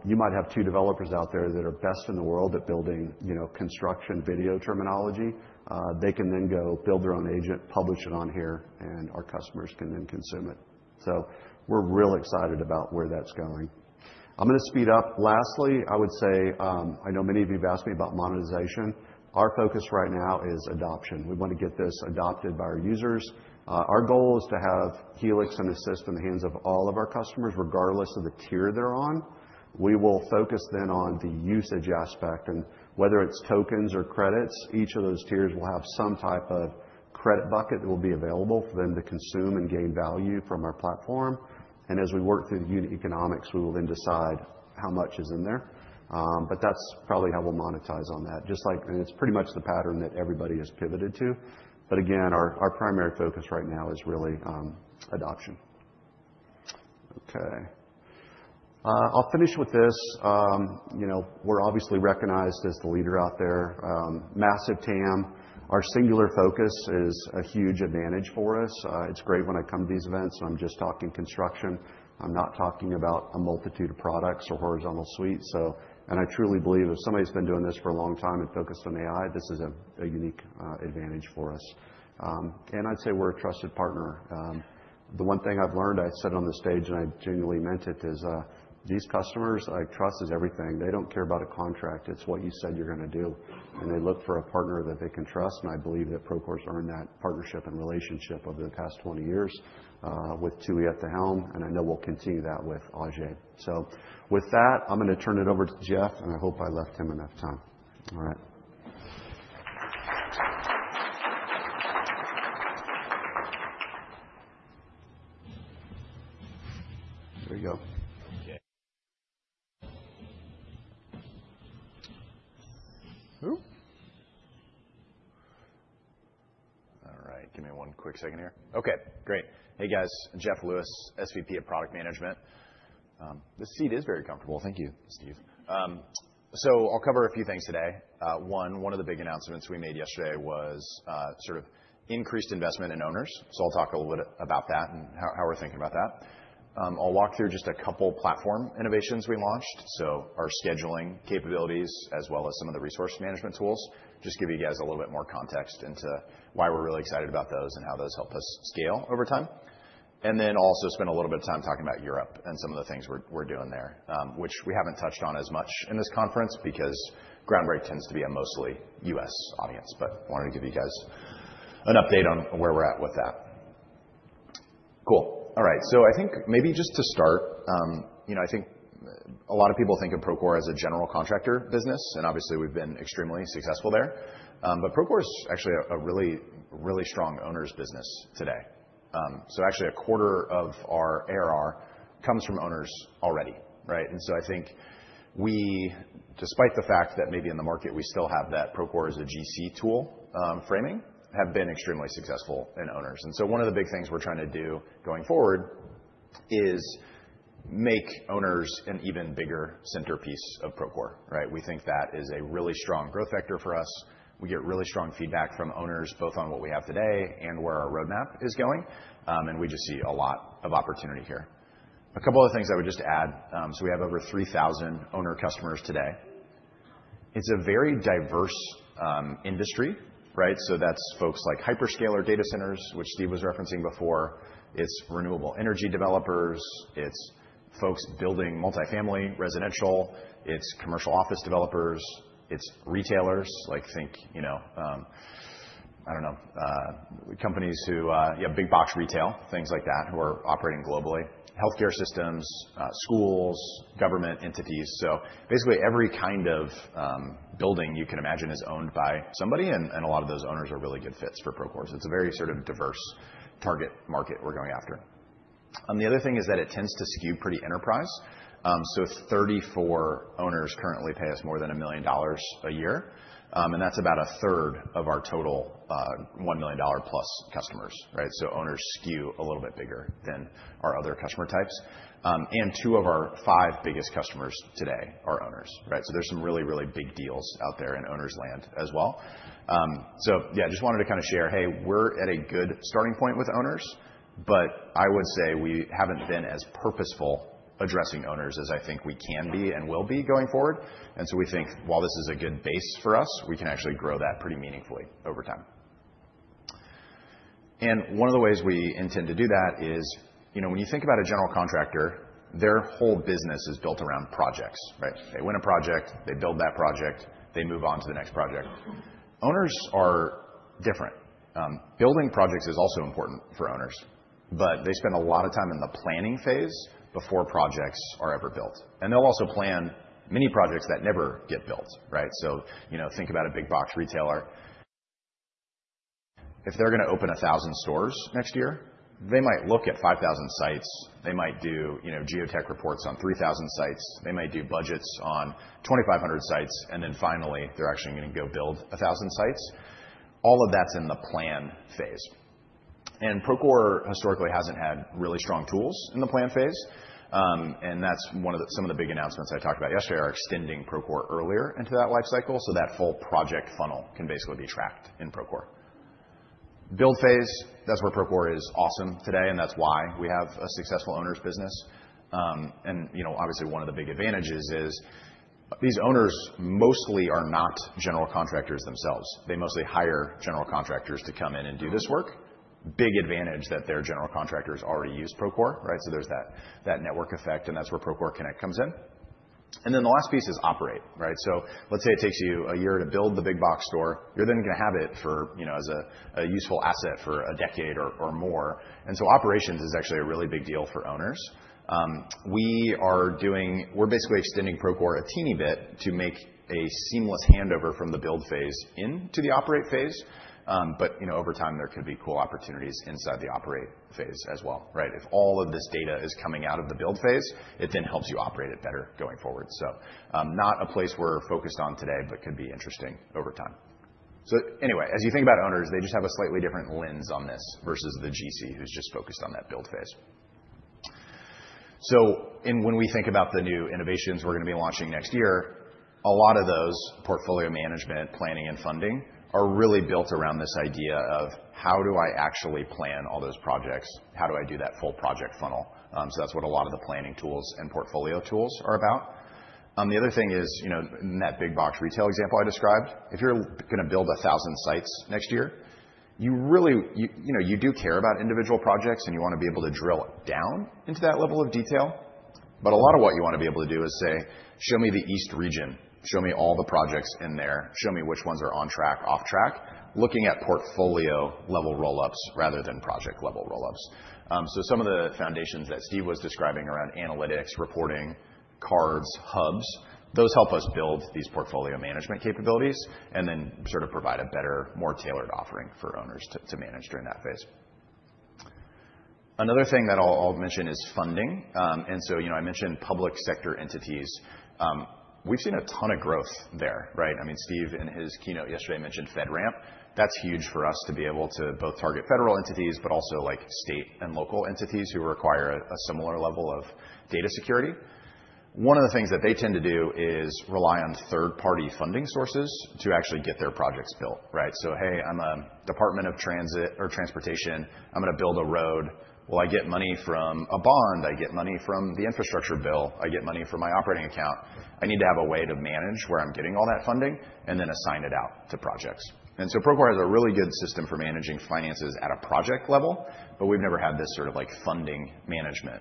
You might have two developers out there that are best in the world at building construction video terminology. They can then go build their own agent, publish it on here, and our customers can then consume it, so we're real excited about where that's going. I'm going to speed up. Lastly, I would say, I know many of you have asked me about monetization. Our focus right now is adoption. We want to get this adopted by our users. Our goal is to have Helix and Assist in the hands of all of our customers, regardless of the tier they're on. We will focus then on the usage aspect. And whether it's tokens or credits, each of those tiers will have some type of credit bucket that will be available for them to consume and gain value from our platform, and as we work through the unit economics, we will then decide how much is in there, but that's probably how we'll monetize on that, and it's pretty much the pattern that everybody has pivoted to, but again, our primary focus right now is really adoption. Okay. I'll finish with this. We're obviously recognized as the leader out there. Massive TAM. Our singular focus is a huge advantage for us. It's great when I come to these events and I'm just talking construction. I'm not talking about a multitude of products or horizontal suites, and I truly believe if somebody's been doing this for a long time and focused on AI, this is a unique advantage for us. And I'd say we're a trusted partner. The one thing I've learned, I said it on the stage and I genuinely meant it, is these customers, trust is everything. They don't care about a contract. It's what you said you're going to do. And they look for a partner that they can trust. And I believe that Procore's earned that partnership and relationship over the past 20 years with Tooey at the helm. And I know we'll continue that with Ajei. So with that, I'm going to turn it over to Jeff, and I hope I left him enough time. All right. Who? All right. Give me one quick second here. Okay. Great. Hey, guys. Jeff Lewis, SVP of Product Management. This seat is very comfortable. Thank you, Steve. So I'll cover a few things today. One of the big announcements we made yesterday was sort of increased investment in owners, so I'll talk a little bit about that and how we're thinking about that. I'll walk through just a couple of platform innovations we launched, so our scheduling capabilities, as well as some of the resource management tools, just to give you guys a little bit more context into why we're really excited about those and how those help us scale over time, and then I'll also spend a little bit of time talking about Europe and some of the things we're doing there, which we haven't touched on as much in this conference because Groundbreak tends to be a mostly U.S. audience, but I wanted to give you guys an update on where we're at with that. Cool. All right. So I think maybe just to start, I think a lot of people think of Procore as a general contractor business, and obviously, we've been extremely successful there. But Procore is actually a really, really strong owners' business today. So actually, a quarter of our ARR comes from owners already, right? And so I think we, despite the fact that maybe in the market we still have that Procore is a GC tool framing, have been extremely successful in owners. And so one of the big things we're trying to do going forward is make owners an even bigger centerpiece of Procore, right? We think that is a really strong growth vector for us. We get really strong feedback from owners both on what we have today and where our roadmap is going. And we just see a lot of opportunity here. A couple of things I would just add. So we have over 3,000 owner customers today. It's a very diverse industry, right? So that's folks like hyperscaler data centers, which Steve was referencing before. It's renewable energy developers. It's folks building multifamily residential. It's commercial office developers. It's retailers. I think, I don't know, companies who have big box retail, things like that, who are operating globally. Healthcare systems, schools, government entities. So basically, every kind of building you can imagine is owned by somebody, and a lot of those owners are really good fits for Procore. So it's a very sort of diverse target market we're going after. The other thing is that it tends to skew pretty enterprise. So 34 owners currently pay us more than $1 million a year. And that's about a third of our total $1 million-plus customers, right? So owners skew a little bit bigger than our other customer types. Two of our five biggest customers today are owners, right? There's some really, really big deals out there in owner's land as well. Yeah, just wanted to kind of share, "Hey, we're at a good starting point with owners, but I would say we haven't been as purposeful addressing owners as I think we can be and will be going forward." We think while this is a good base for us, we can actually grow that pretty meaningfully over time. One of the ways we intend to do that is when you think about a general contractor, their whole business is built around projects, right? They win a project, they build that project, they move on to the next project. Owners are different. Building projects is also important for owners, but they spend a lot of time in the planning phase before projects are ever built, and they'll also plan mini projects that never get built, right? So think about a big box retailer. If they're going to open 1,000 stores next year, they might look at 5,000 sites. They might do geotech reports on 3,000 sites. They might do budgets on 2,500 sites, and then finally, they're actually going to go build 1,000 sites. All of that's in the plan phase, and Procore historically hasn't had really strong tools in the plan phase, and that's one of some of the big announcements I talked about yesterday, are extending Procore earlier into that life cycle so that full project funnel can basically be tracked in Procore. Build phase, that's where Procore is awesome today, and that's why we have a successful owners' business. And obviously, one of the big advantages is these owners mostly are not general contractors themselves. They mostly hire general contractors to come in and do this work. Big advantage that their general contractors already use Procore, right? So there's that network effect, and that's where Procore Connect comes in. And then the last piece is operate, right? So let's say it takes you a year to build the big box store. You're then going to have it as a useful asset for a decade or more. And so operations is actually a really big deal for owners. We're basically extending Procore a teeny bit to make a seamless handover from the build phase into the operate phase. But over time, there could be cool opportunities inside the operate phase as well, right? If all of this data is coming out of the build phase, it then helps you operate it better going forward. So not a place we're focused on today, but could be interesting over time. So anyway, as you think about owners, they just have a slightly different lens on this versus the GC who's just focused on that build phase. So when we think about the new innovations we're going to be launching next year, a lot of those portfolio management, planning, and funding are really built around this idea of how do I actually plan all those projects? How do I do that full project funnel? So that's what a lot of the planning tools and portfolio tools are about. The other thing is in that big box retail example I described, if you're going to build 1,000 sites next year, you do care about individual projects, and you want to be able to drill down into that level of detail. But a lot of what you want to be able to do is say, "Show me the east region. Show me all the projects in there. Show me which ones are on track, off track," looking at portfolio-level roll-ups rather than project-level roll-ups. So some of the foundations that Steve was describing around analytics, reporting, cards, hubs, those help us build these portfolio management capabilities and then sort of provide a better, more tailored offering for owners to manage during that phase. Another thing that I'll mention is funding. And so I mentioned public sector entities. We've seen a ton of growth there, right? I mean, Steve in his keynote yesterday mentioned FedRAMP. That's huge for us to be able to both target federal entities, but also state and local entities who require a similar level of data security. One of the things that they tend to do is rely on third-party funding sources to actually get their projects built, right? So hey, I'm a Department of Transportation. I'm going to build a road. Well, I get money from a bond. I get money from the infrastructure bill. I get money from my operating account. I need to have a way to manage where I'm getting all that funding and then assign it out to projects. And so Procore has a really good system for managing finances at a project level, but we've never had this sort of funding management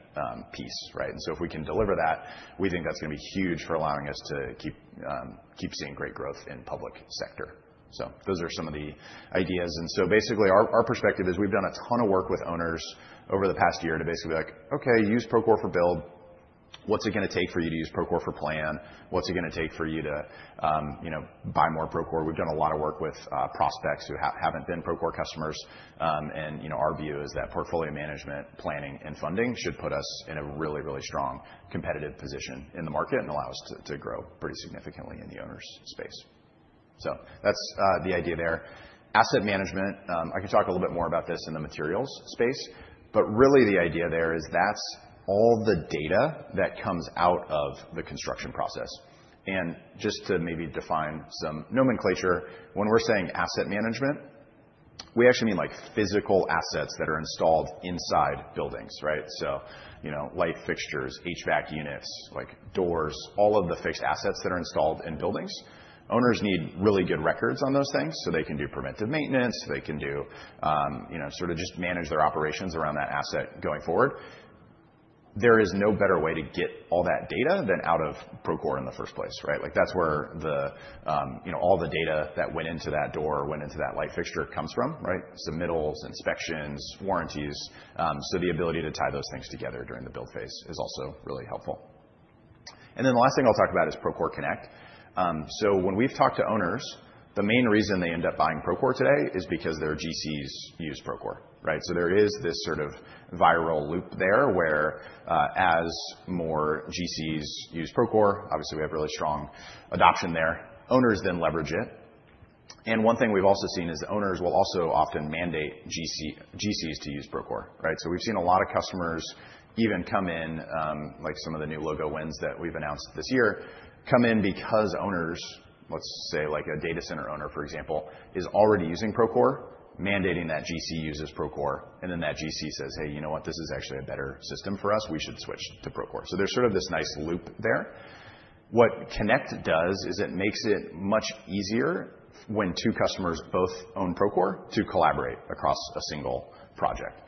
piece, right? And so if we can deliver that, we think that's going to be huge for allowing us to keep seeing great growth in public sector. So those are some of the ideas. And so basically, our perspective is we've done a ton of work with owners over the past year to basically be like, "Okay, use Procore for build. What's it going to take for you to use Procore for plan? What's it going to take for you to buy more Procore?" We've done a lot of work with prospects who haven't been Procore customers. And our view is that portfolio management, planning, and funding should put us in a really, really strong competitive position in the market and allow us to grow pretty significantly in the owners' space. So that's the idea there. Asset management, I can talk a little bit more about this in the materials space. But really, the idea there is that's all the data that comes out of the construction process. And just to maybe define some nomenclature, when we're saying asset management, we actually mean physical assets that are installed inside buildings, right? So light fixtures, HVAC units, doors, all of the fixed assets that are installed in buildings. Owners need really good records on those things so they can do preventive maintenance. They can do sort of just manage their operations around that asset going forward. There is no better way to get all that data than out of Procore in the first place, right? That's where all the data that went into that door, went into that light fixture comes from, right? Submittals, inspections, warranties. So the ability to tie those things together during the build phase is also really helpful. And then the last thing I'll talk about is Procore Connect. So when we've talked to owners, the main reason they end up buying Procore today is because their GCs use Procore, right? So there is this sort of viral loop there where as more GCs use Procore, obviously, we have really strong adoption there. Owners then leverage it. And one thing we've also seen is owners will also often mandate GCs to use Procore, right? So we've seen a lot of customers even come in, like some of the new logo wins that we've announced this year, come in because owners, let's say a data center owner, for example, is already using Procore, mandating that GC uses Procore. And then that GC says, "Hey, you know what? This is actually a better system for us. We should switch to Procore." So there's sort of this nice loop there. What Connect does is it makes it much easier when two customers both own Procore to collaborate across a single project.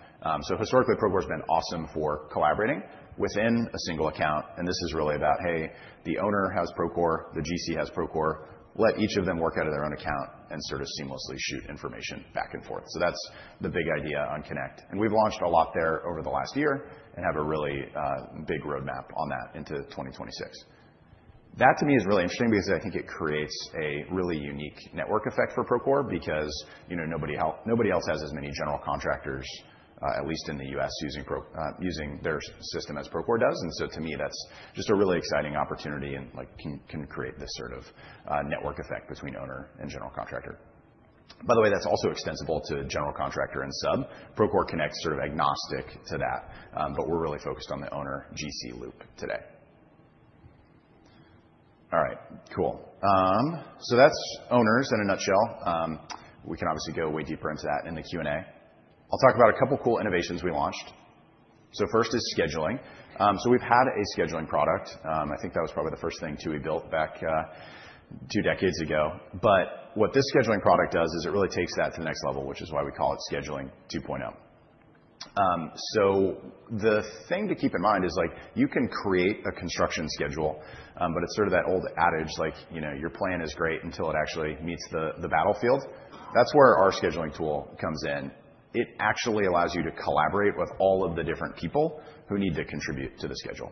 So historically, Procore has been awesome for collaborating within a single account. And this is really about, "Hey, the owner has Procore. The GC has Procore. Let each of them work out of their own account and sort of seamlessly shoot information back and forth." So that's the big idea on Connect. And we've launched a lot there over the last year and have a really big roadmap on that into 2026. That, to me, is really interesting because I think it creates a really unique network effect for Procore because nobody else has as many general contractors, at least in the U.S., using their system as Procore does. And so to me, that's just a really exciting opportunity and can create this sort of network effect between owner and general contractor. By the way, that's also extensible to general contractor and sub. Procore Connect's sort of agnostic to that, but we're really focused on the owner-GC loop today. All right. Cool. So that's owners in a nutshell. We can obviously go way deeper into that in the Q&A. I'll talk about a couple of cool innovations we launched. So first is scheduling. So we've had a scheduling product. I think that was probably the first thing Tooey built back two decades ago. But what this scheduling product does is it really takes that to the next level, which is why we call it Scheduling 2.0. So the thing to keep in mind is you can create a construction schedule, but it's sort of that old adage like, "Your plan is great until it actually meets the battlefield." That's where our scheduling tool comes in. It actually allows you to collaborate with all of the different people who need to contribute to the schedule.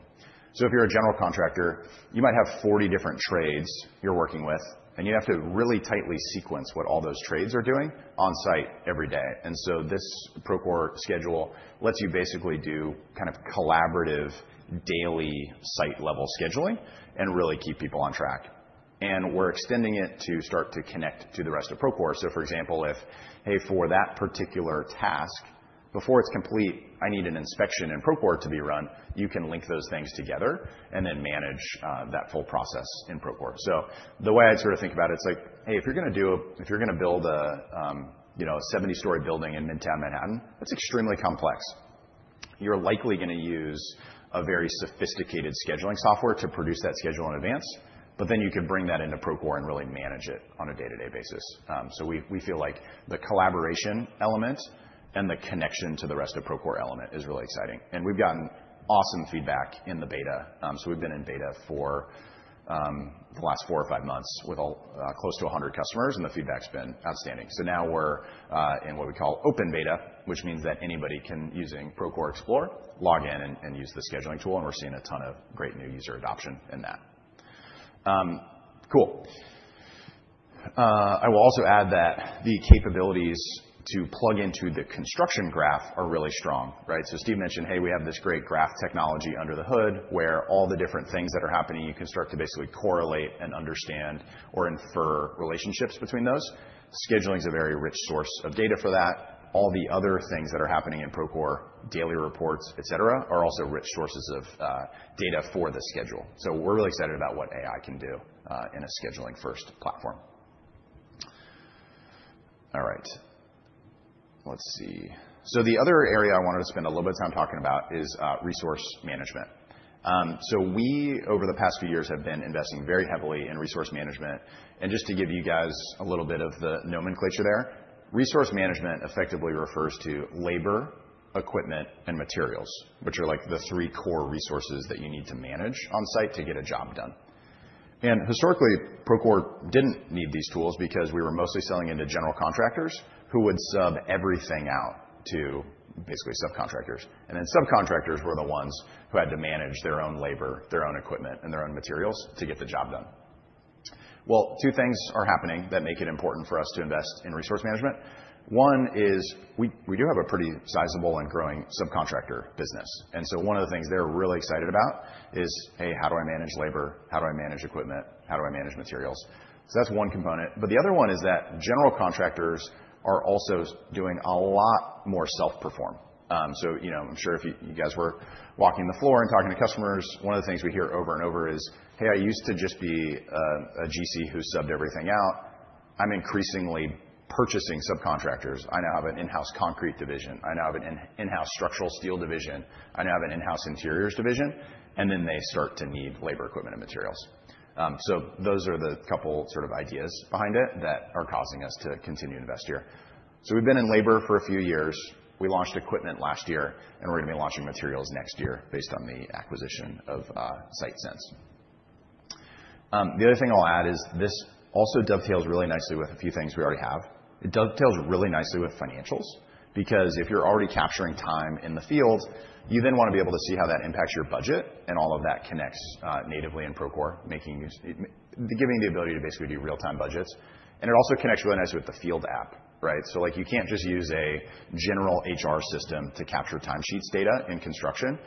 So if you're a general contractor, you might have 40 different trades you're working with, and you have to really tightly sequence what all those trades are doing on site every day. And so this Procore schedule lets you basically do kind of collaborative daily site-level scheduling and really keep people on track. And we're extending it to start to connect to the rest of Procore. So for example, if "Hey, for that particular task, before it's complete, I need an inspection in Procore to be run," you can link those things together and then manage that full process in Procore. So the way I'd sort of think about it, it's like, "Hey, if you're going to build a 70-story building in Midtown Manhattan, that's extremely complex. You're likely going to use a very sophisticated scheduling software to produce that schedule in advance, but then you can bring that into Procore and really manage it on a day-to-day basis." So we feel like the collaboration element and the connection to the rest of Procore element is really exciting. And we've gotten awesome feedback in the beta. So we've been in beta for the last four or five months with close to 100 customers, and the feedback's been outstanding. So now we're in what we call open beta, which means that anybody can, using Procore Explore, log in and use the scheduling tool. And we're seeing a ton of great new user adoption in that. Cool. I will also add that the capabilities to plug into the construction graph are really strong, right? So Steve mentioned, "Hey, we have this great graph technology under the hood where all the different things that are happening, you can start to basically correlate and understand or infer relationships between those." Scheduling is a very rich source of data for that. All the other things that are happening in Procore, daily reports, etc., are also rich sources of data for the schedule. So we're really excited about what AI can do in a scheduling-first platform. All right. Let's see. So the other area I wanted to spend a little bit of time talking about is resource management. So we, over the past few years, have been investing very heavily in resource management. And just to give you guys a little bit of the nomenclature there, resource management effectively refers to labor, equipment, and materials, which are like the three core resources that you need to manage on site to get a job done. And historically, Procore didn't need these tools because we were mostly selling into general contractors who would sub everything out to basically subcontractors. And then subcontractors were the ones who had to manage their own labor, their own equipment, and their own materials to get the job done. Well, two things are happening that make it important for us to invest in resource management. One is we do have a pretty sizable and growing subcontractor business. And so one of the things they're really excited about is, "Hey, how do I manage labor? How do I manage equipment? How do I manage materials?" So that's one component. But the other one is that general contractors are also doing a lot more self-perform. So I'm sure if you guys were walking the floor and talking to customers, one of the things we hear over and over is, "Hey, I used to just be a GC who subbed everything out. I'm increasingly purchasing subcontractors. I now have an in-house concrete division. I now have an in-house structural steel division. I now have an in-house interiors division." And then they start to need labor, equipment, and materials. So those are the couple sort of ideas behind it that are causing us to continue to invest here. So we've been in labor for a few years. We launched equipment last year, and we're going to be launching materials next year based on the acquisition of SiteSense. The other thing I'll add is this also dovetails really nicely with a few things we already have. It dovetails really nicely with financials because if you're already capturing time in the field, you then want to be able to see how that impacts your budget and all of that connects natively in Procore, giving you the ability to basically do real-time budgets. And it also connects really nicely with the field app, right? So you can't just use a general HR system to capture timesheets data in construction.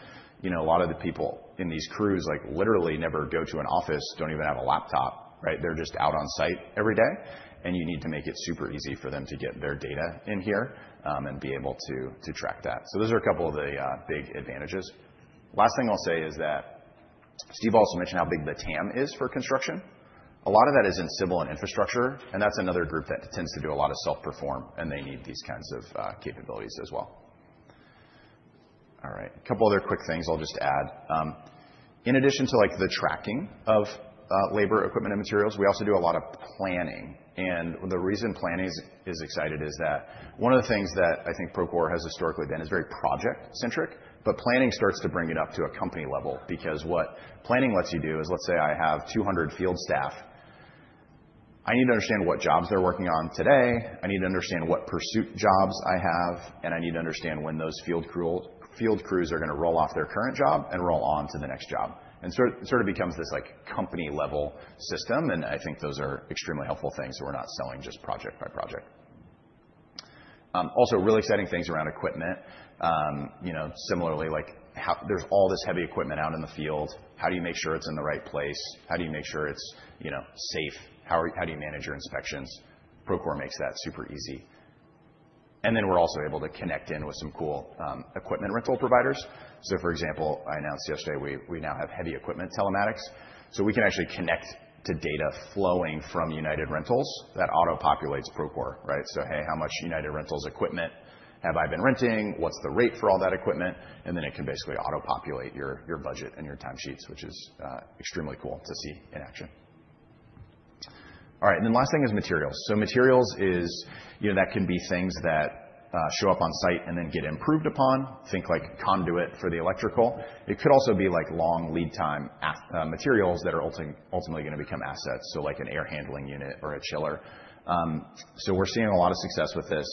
A lot of the people in these crews literally never go to an office, don't even have a laptop, right? They're just out on site every day. And you need to make it super easy for them to get their data in here and be able to track that. So those are a couple of the big advantages. Last thing I'll say is that Steve also mentioned how big the TAM is for construction. A lot of that is in civil and infrastructure. And that's another group that tends to do a lot of self-perform, and they need these kinds of capabilities as well. All right. A couple of other quick things I'll just add. In addition to the tracking of labor, equipment, and materials, we also do a lot of planning. And the reason planning is excited is that one of the things that I think Procore has historically been is very project-centric. But planning starts to bring it up to a company level because what planning lets you do is, let's say I have 200 field staff. I need to understand what jobs they're working on today. I need to understand what pursuit jobs I have. And I need to understand when those field crews are going to roll off their current job and roll on to the next job. And it sort of becomes this company-level system. And I think those are extremely helpful things that we're not selling just project by project. Also, really exciting things around equipment. Similarly, there's all this heavy equipment out in the field. How do you make sure it's in the right place? How do you make sure it's safe? How do you manage your inspections? Procore makes that super easy. And then we're also able to connect in with some cool equipment rental providers. So for example, I announced yesterday we now have heavy equipment telematics. So we can actually connect to data flowing from United Rentals that auto-populates Procore, right? So hey, how much United Rentals equipment have I been renting? What's the rate for all that equipment? And then it can basically auto-populate your budget and your timesheets, which is extremely cool to see in action. All right. And then last thing is materials. So materials is that can be things that show up on site and then get improved upon. Think like conduit for the electrical. It could also be long lead time materials that are ultimately going to become assets, so like an air handling unit or a chiller. So we're seeing a lot of success with this.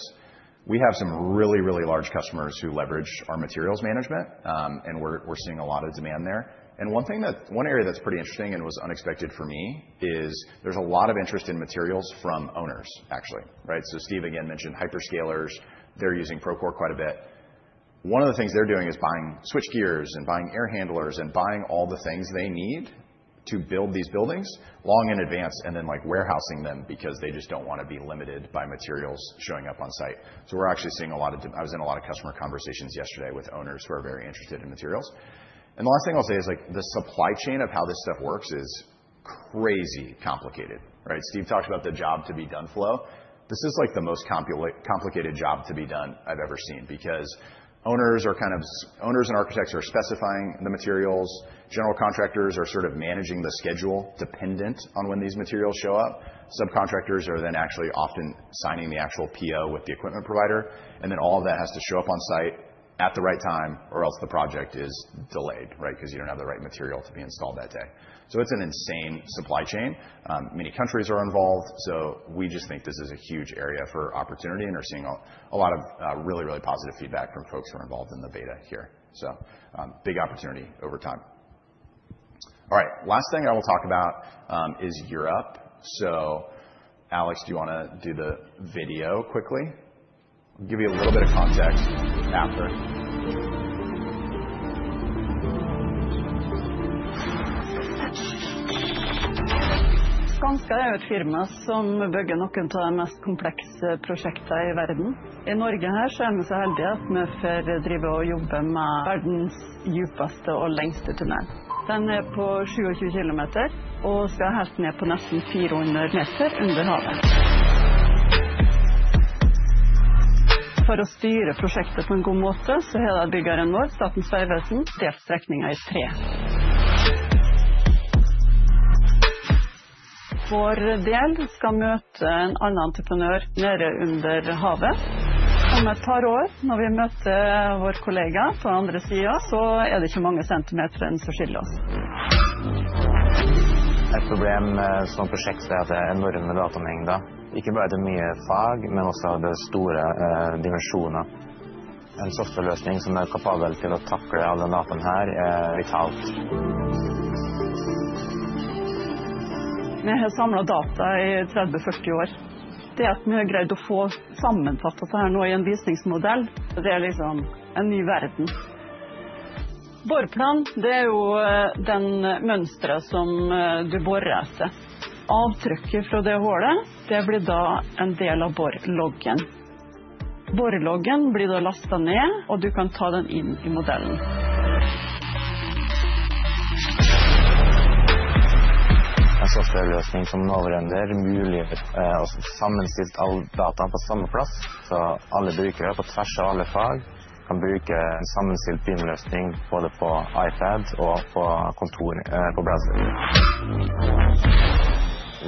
We have some really, really large customers who leverage our materials management, and we're seeing a lot of demand there. And one area that's pretty interesting and was unexpected for me is there's a lot of interest in materials from owners, actually, right? So Steve, again, mentioned hyperscalers. They're using Procore quite a bit. One of the things they're doing is buying switchgear and buying air handlers and buying all the things they need to build these buildings long in advance and then warehousing them because they just don't want to be limited by materials showing up on site. So we're actually seeing a lot. I was in a lot of customer conversations yesterday with owners who are very interested in materials. And the last thing I'll say is the supply chain of how this stuff works is crazy complicated, right? Steve talked about the job-to-be-done flow. This is like the most complicated job-to-be-done I've ever seen because owners and architects are specifying the materials. General contractors are sort of managing the schedule dependent on when these materials show up. Subcontractors are then actually often signing the actual PO with the equipment provider. And then all of that has to show up on site at the right time, or else the project is delayed, right, because you don't have the right material to be installed that day. So it's an insane supply chain. Many countries are involved. So we just think this is a huge area for opportunity and are seeing a lot of really, really positive feedback from folks who are involved in the beta here. So big opportunity over time. All right. Last thing I will talk about is Europe. So Alex, do you want to do the video quickly? I'll give you a little bit of context after. Skanska jo et firma som bygger noen av de mest komplekse prosjektene i verden. I Norge er vi så heldige at vi får drive og jobbe med verdens dypeste og lengste tunnel. Den på 27 kilometer og skal helt ned på nesten 400 meter under havet. For å styre prosjektet på en god måte, så har da byggherren vår, Statens vegvesen, delt strekningen i tre. Vår del skal møte en annen entreprenør nede under havet. Om et par år, når vi møter vår kollega på den andre siden, så det ikke mange centimeter igjen som skiller oss. Et problem som prosjekt at det enorme datamengder. Ikke bare det mye fag, men også har det store dimensjoner. En softwareløsning som kapabel til å takle all den dataen her, vital. Vi har samlet data i 30-40 år. Det at vi har greid å få sammenfattet det her nå i en visningsmodell, det liksom en ny verden. Boreplan jo det mønsteret som du borer etter. Avtrykket fra det hullet, det blir da en del av Boreloggen. Boreloggen blir da lastet ned, og du kan ta den inn i modellen. En softwareløsning som Novorender muliggjør å få sammenstilt all data på samme plass, så alle brukere på tvers av alle fag kan bruke en sammenstilt BIM-løsning både på iPad og på kontoret på browseren.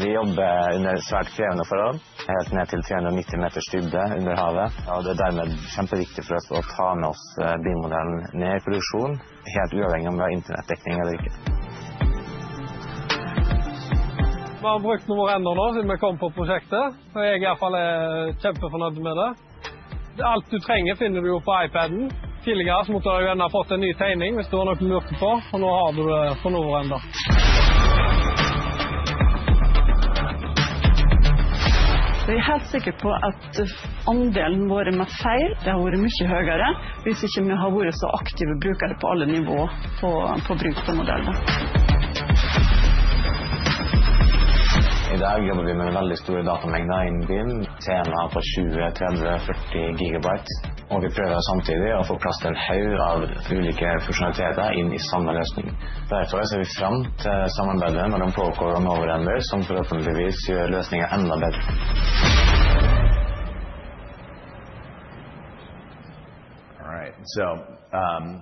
Vi jobber under svært krevende forhold, helt ned til 390 meters dybde under havet. Og det dermed kjempeviktig for oss å ta med oss BIM-modellen ned i produksjon, helt uavhengig om vi har internettdekning eller ikke. Vi har brukt Novorender nå siden vi kom på prosjektet, og jeg i hvert fall kjempefornøyd med det. Alt du trenger finner du jo på iPaden. Tidligere måtte du gjerne ha fått en ny tegning hvis du var noe mørkt på, og nå har du det på Novorender. Vi helt sikre på at andelen vår med feil, det har vært mye høyere hvis ikke vi har vært så aktive brukere på alle nivåer på bruk av modellen. I dag jobber vi med en veldig stor datamengde innen BIM. Temaer på 20, 30, 40 gigabyte. Og vi prøver samtidig å få plass til en haug av ulike funksjonaliteter inn i samme løsning. Derfor ser vi frem til samarbeidet mellom Procore og Novorender, som forhåpentligvis gjør løsningen enda bedre. All right. So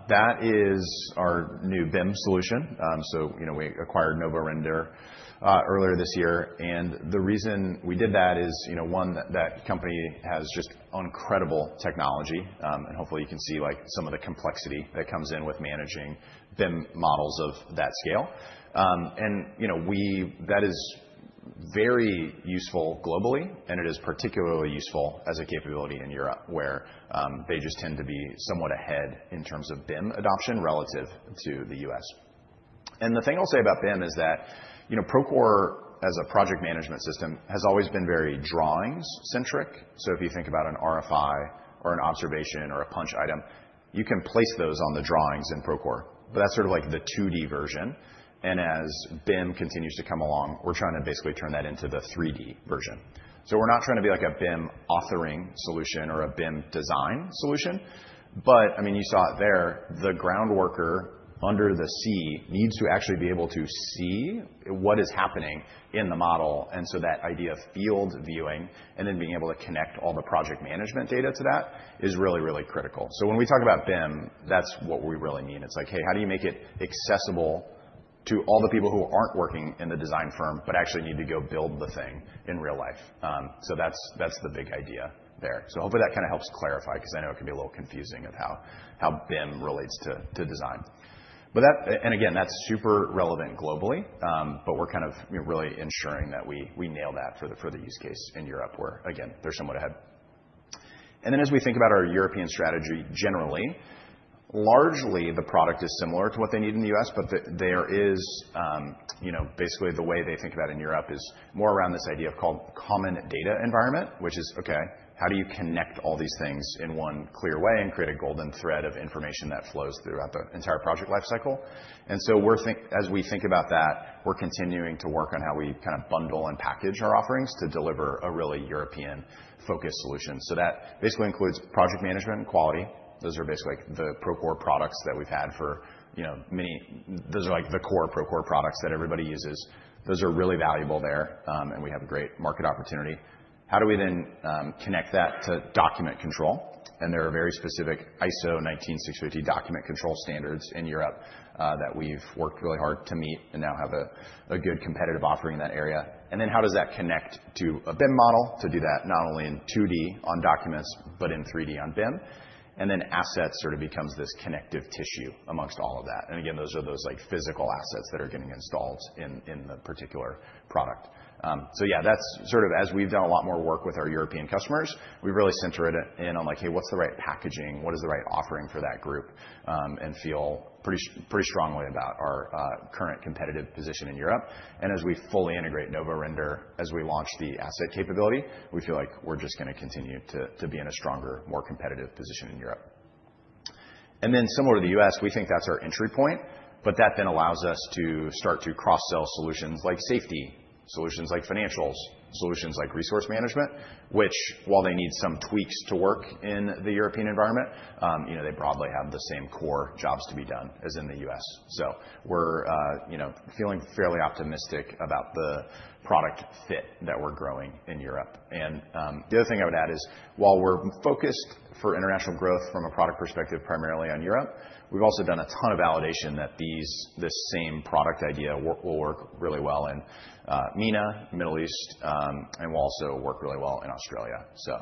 that is our new BIM solution. So we acquired Novorender earlier this year. And the reason we did that is, one, that company has just incredible technology. And hopefully, you can see some of the complexity that comes in with managing BIM models of that scale. And that is very useful globally, and it is particularly useful as a capability in Europe, where they just tend to be somewhat ahead in terms of BIM adoption relative to the U.S. And the thing I'll say about BIM is that Procore, as a project management system, has always been very drawings-centric. So if you think about an RFI or an observation or a punch item, you can place those on the drawings in Procore. But that's sort of like the 2D version. And as BIM continues to come along, we're trying to basically turn that into the 3D version. So we're not trying to be like a BIM authoring solution or a BIM design solution. But I mean, you saw it there. The groundworker under the sea needs to actually be able to see what is happening in the model. And so that idea of field viewing and then being able to connect all the project management data to that is really, really critical. So when we talk about BIM, that's what we really mean. It's like, hey, how do you make it accessible to all the people who aren't working in the design firm but actually need to go build the thing in real life? So that's the big idea there. So hopefully, that kind of helps clarify because I know it can be a little confusing of how BIM relates to design. And again, that's super relevant globally. But we're kind of really ensuring that we nail that for the use case in Europe where, again, they're somewhat ahead. And then as we think about our European strategy generally, largely the product is similar to what they need in the U.S. But there is basically the way they think about it in Europe is more around this idea of common data environment, which is, OK, how do you connect all these things in one clear way and create a golden thread of information that flows throughout the entire project lifecycle? And so as we think about that, we're continuing to work on how we kind of bundle and package our offerings to deliver a really European-focused solution. So that basically includes project management and quality. Those are basically the Procore products that we've had for many. Those are like the core Procore products that everybody uses. Those are really valuable there, and we have a great market opportunity. How do we then connect that to document control? And there are very specific ISO 19650 document control standards in Europe that we've worked really hard to meet and now have a good competitive offering in that area. And then how does that connect to a BIM model to do that not only in 2D on documents but in 3D on BIM? And then asset sort of becomes this connective tissue among all of that. And again, those are the physical assets that are getting installed in the particular product. So yeah, that's sort of as we've done a lot more work with our European customers, we really center it in on like, hey, what's the right packaging? What is the right offering for that group? And feel pretty strongly about our current competitive position in Europe. And as we fully integrate Novorender, as we launch the asset capability, we feel like we're just going to continue to be in a stronger, more competitive position in Europe, and then similar to the U.S., we think that's our entry point, but that then allows us to start to cross-sell solutions like safety solutions, like financials, solutions like resource management, which, while they need some tweaks to work in the European environment, they broadly have the same core jobs to be done as in the U.S., so we're feeling fairly optimistic about the product fit that we're growing in Europe, and the other thing I would add is, while we're focused for international growth from a product perspective primarily on Europe, we've also done a ton of validation that this same product idea will work really well in MENA, Middle East, and will also work really well in Australia. So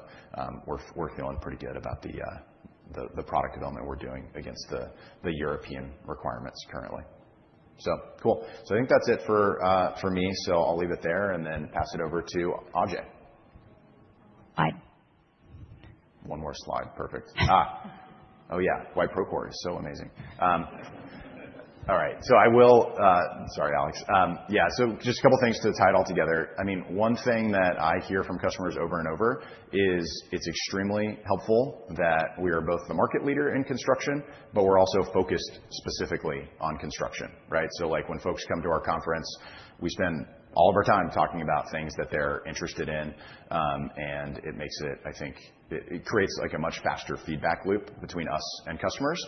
we're feeling pretty good about the product development we're doing against the European requirements currently. So cool. So I think that's it for me. So I'll leave it there and then pass it over to Ajei. Hi. One more slide. Perfect. Oh yeah, why Procore is so amazing. All right. So, I will, sorry, Alex. Yeah, so just a couple of things to tie it all together. I mean, one thing that I hear from customers over and over is it's extremely helpful that we are both the market leader in construction, but we're also focused specifically on construction, right? So when folks come to our conference, we spend all of our time talking about things that they're interested in, and it makes it, I think, it creates a much faster feedback loop between us and customers.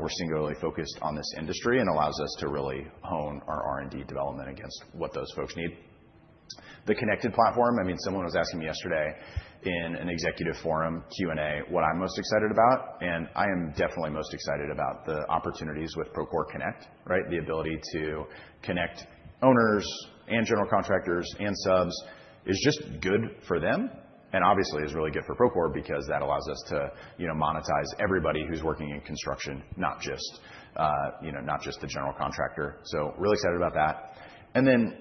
We're singularly focused on this industry and allows us to really hone our R&D development against what those folks need. The connected platform, I mean, someone was asking me yesterday in an executive forum Q&A what I'm most excited about, and I am definitely most excited about the opportunities with Procore Connect, right? The ability to connect owners and general contractors and subs is just good for them, and obviously, it's really good for Procore because that allows us to monetize everybody who's working in construction, not just the general contractor, so really excited about that. And then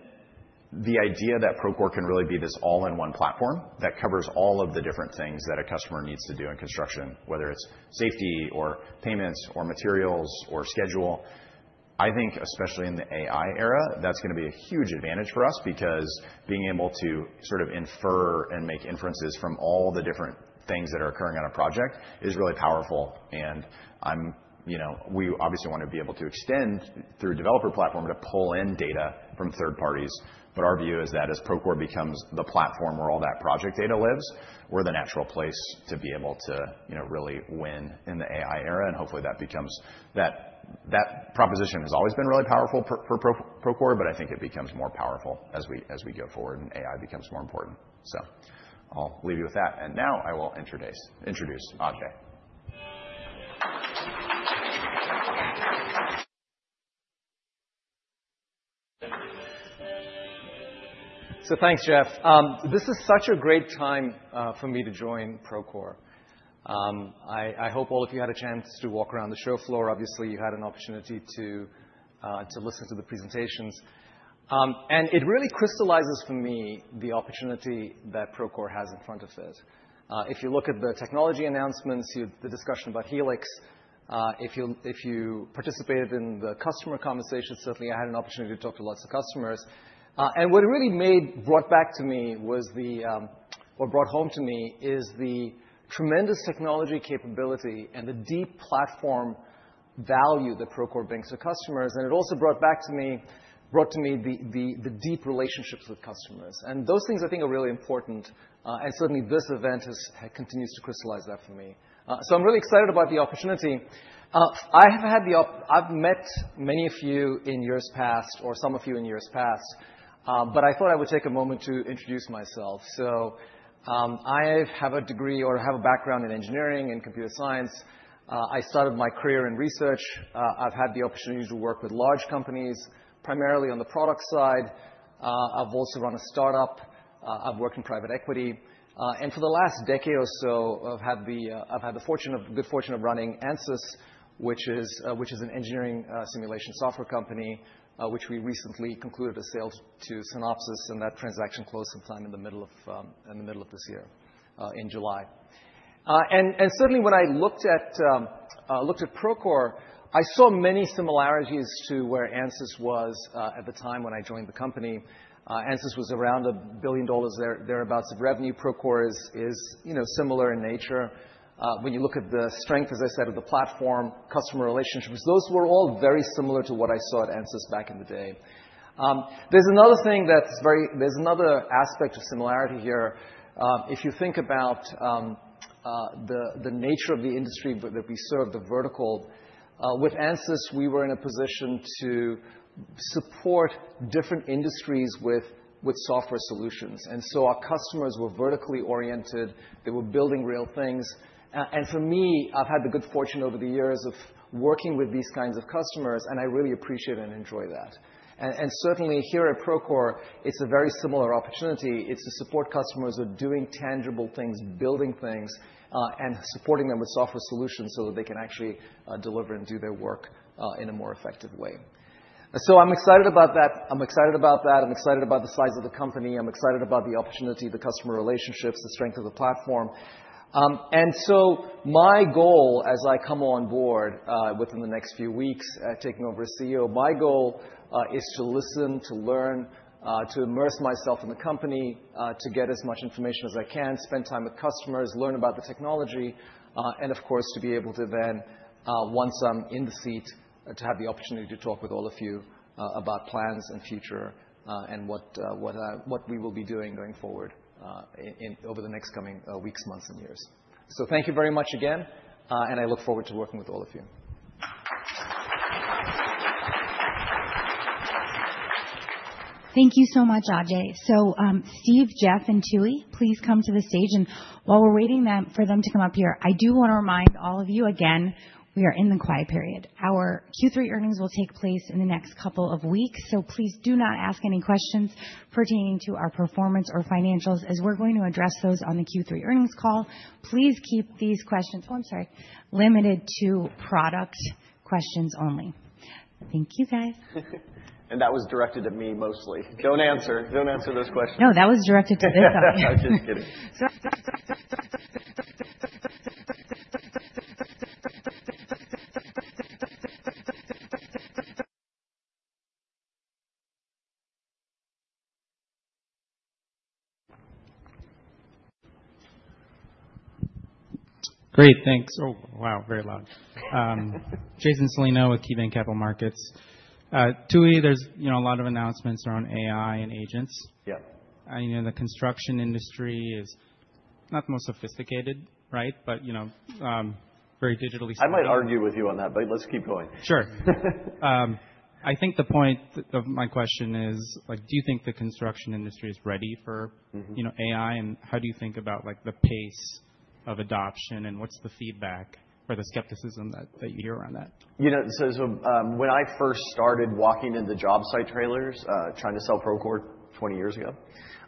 the idea that Procore can really be this all-in-one platform that covers all of the different things that a customer needs to do in construction, whether it's safety or payments or materials or schedule, I think, especially in the AI era, that's going to be a huge advantage for us because being able to sort of infer and make inferences from all the different things that are occurring on a project is really powerful. And we obviously want to be able to extend through the developer platform to pull in data from third parties. But our view is that as Procore becomes the platform where all that project data lives, we're the natural place to be able to really win in the AI era. And hopefully, that becomes. That proposition has always been really powerful for Procore. But I think it becomes more powerful as we go forward and AI becomes more important. So I'll leave you with that. And now I will introduce Ajei. So thanks, Jeff. This is such a great time for me to join Procore. I hope all of you had a chance to walk around the show floor. Obviously, you had an opportunity to listen to the presentations. And it really crystallizes for me the opportunity that Procore has in front of it. If you look at the technology announcements, the discussion about Helix, if you participated in the customer conversations, certainly I had an opportunity to talk to lots of customers. And what it really brought back to me was the, or brought home to me, is the tremendous technology capability and the deep platform value that Procore brings to customers. And it also brought back to me the deep relationships with customers. And those things, I think, are really important. And certainly, this event continues to crystallize that for me. So I'm really excited about the opportunity. I've met many of you in years past or some of you in years past. But I thought I would take a moment to introduce myself. So I have a degree or have a background in engineering and computer science. I started my career in research. I've had the opportunity to work with large companies, primarily on the product side. I've also run a startup. I've worked in private equity. And for the last decade or so, I've had the fortune, the good fortune of running Ansys, which is an engineering simulation software company, which we recently concluded a sale to Synopsys. That transaction closed some time in the middle of this year in July. Certainly, when I looked at Procore, I saw many similarities to where Ansys was at the time when I joined the company. Ansys was around $1 billion thereabouts of revenue. Procore is similar in nature. When you look at the strength, as I said, of the platform, customer relationships, those were all very similar to what I saw at Ansys back in the day. There's another thing that's very, there's another aspect of similarity here. If you think about the nature of the industry that we serve, the vertical, with Ansys, we were in a position to support different industries with software solutions. Our customers were vertically oriented. They were building real things. For me, I've had the good fortune over the years of working with these kinds of customers. And I really appreciate it and enjoy that. And certainly, here at Procore, it's a very similar opportunity. It's to support customers who are doing tangible things, building things, and supporting them with software solutions so that they can actually deliver and do their work in a more effective way. So I'm excited about that. I'm excited about that. I'm excited about the size of the company. I'm excited about the opportunity, the customer relationships, the strength of the platform. And so my goal as I come on board within the next few weeks, taking over as CEO, my goal is to listen, to learn, to immerse myself in the company, to get as much information as I can, spend time with customers, learn about the technology, and of course, to be able to then, once I'm in the seat, to have the opportunity to talk with all of you about plans and future and what we will be doing going forward over the next coming weeks, months, and years. So thank you very much again. And I look forward to working with all of you. Thank you so much, Ajei. So Steve, Jeff, and Tooey, please come to the stage. And while we're waiting for them to come up here, I do want to remind all of you again, we are in the quiet period. Our Q3 earnings will take place in the next couple of weeks. So please do not ask any questions pertaining to our performance or financials as we're going to address those on the Q3 earnings call. Please keep these questions, oh, I'm sorry, limited to product questions only. Thank you, guys. And that was directed at me mostly. Don't answer. Don't answer those questions. No, that was directed to this audience. I'm just kidding. Great. Thanks. Oh, wow, very loud. Jason Celino with KeyBanc Capital Markets. Tooey, there's a lot of announcements around AI and agents. Yeah. The construction industry is not the most sophisticated, right? But very digitally sophisticated. I might argue with you on that. But let's keep going. Sure. I think the point of my question is, do you think the construction industry is ready for AI? And how do you think about the pace of adoption? And what's the feedback or the skepticism that you hear around that? So when I first started walking into job site trailers trying to sell Procore 20 years ago,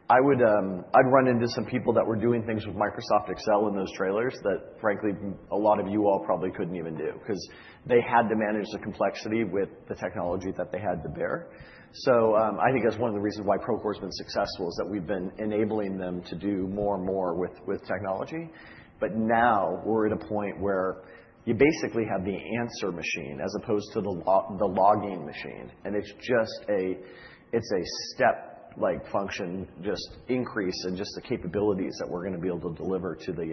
I'd run into some people that were doing things with Microsoft Excel in those trailers that, frankly, a lot of you all probably couldn't even do because they had to manage the complexity with the technology that they had to bear. So I think that's one of the reasons why Procore has been successful is that we've been enabling them to do more and more with technology. But now we're at a point where you basically have the answer machine as opposed to the logging machine. And it's just a step function, just increase, and just the capabilities that we're going to be able to deliver to the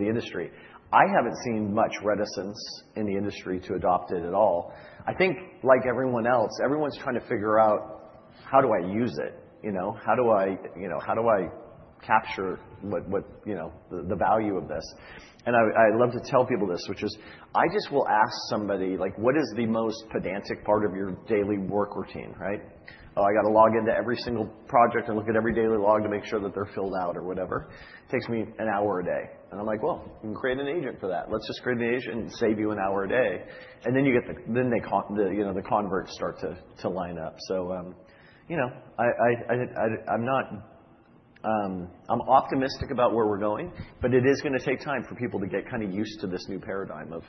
industry. I haven't seen much reticence in the industry to adopt it at all. I think, like everyone else, everyone's trying to figure out, how do I use it? How do I capture the value of this? And I love to tell people this, which is, I just will ask somebody, what is the most pedantic part of your daily work routine, right? Oh, I got to log into every single project and look at every daily log to make sure that they're filled out or whatever. It takes me an hour a day. And I'm like, well, you can create an agent for that. Let's just create an agent and save you an hour a day. And then you get the converts start to line up. So I'm optimistic about where we're going. But it is going to take time for people to get kind of used to this new paradigm of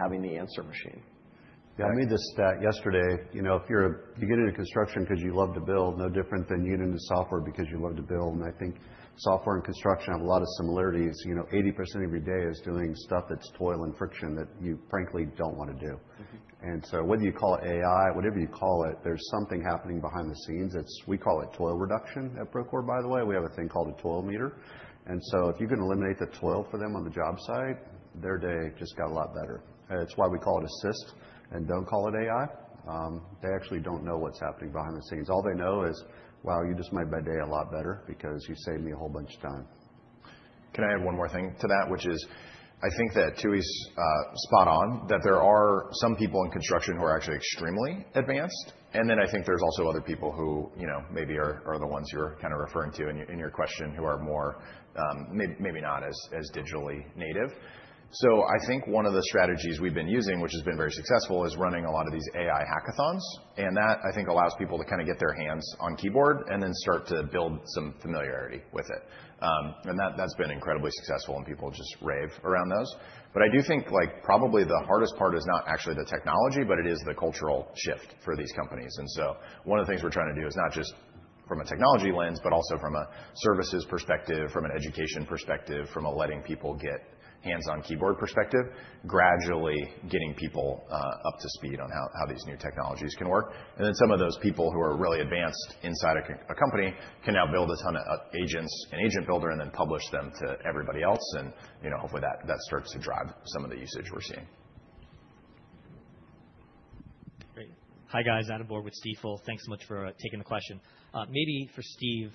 having the answer machine. Yeah, I made this stat yesterday. If you get into construction because you love to build, no different than you get into software because you love to build. And I think software and construction have a lot of similarities. 80% of your day is doing stuff that's toil and friction that you, frankly, don't want to do. And so whether you call it AI, whatever you call it, there's something happening behind the scenes. We call it toil reduction at Procore, by the way. We have a thing called a toil meter. And so if you can eliminate the toil for them on the job site, their day just got a lot better. It's why we call it assist. And don't call it AI. They actually don't know what's happening behind the scenes. All they know is, wow, you just made my day a lot better because you saved me a whole bunch of time. Can I add one more thing to that, which is, I think that Tooey's spot on that there are some people in construction who are actually extremely advanced. And then I think there's also other people who maybe are the ones you're kind of referring to in your question who are maybe not as digitally native. So I think one of the strategies we've been using, which has been very successful, is running a lot of these AI hackathons. And that, I think, allows people to kind of get their hands on keyboard and then start to build some familiarity with it. And that's been incredibly successful. And people just rave around those. But I do think probably the hardest part is not actually the technology, but it is the cultural shift for these companies. And so one of the things we're trying to do is not just from a technology lens, but also from a services perspective, from an education perspective, from a letting people get hands-on keyboard perspective, gradually getting people up to speed on how these new technologies can work. And then some of those people who are really advanced inside a company can now build a ton of agents and Agent Builder and then publish them to everybody else. And hopefully, that starts to drive some of the usage we're seeing. Great. Hi, guys. Adam Borg with Stifel. Thanks so much for taking the question. Maybe for Steve,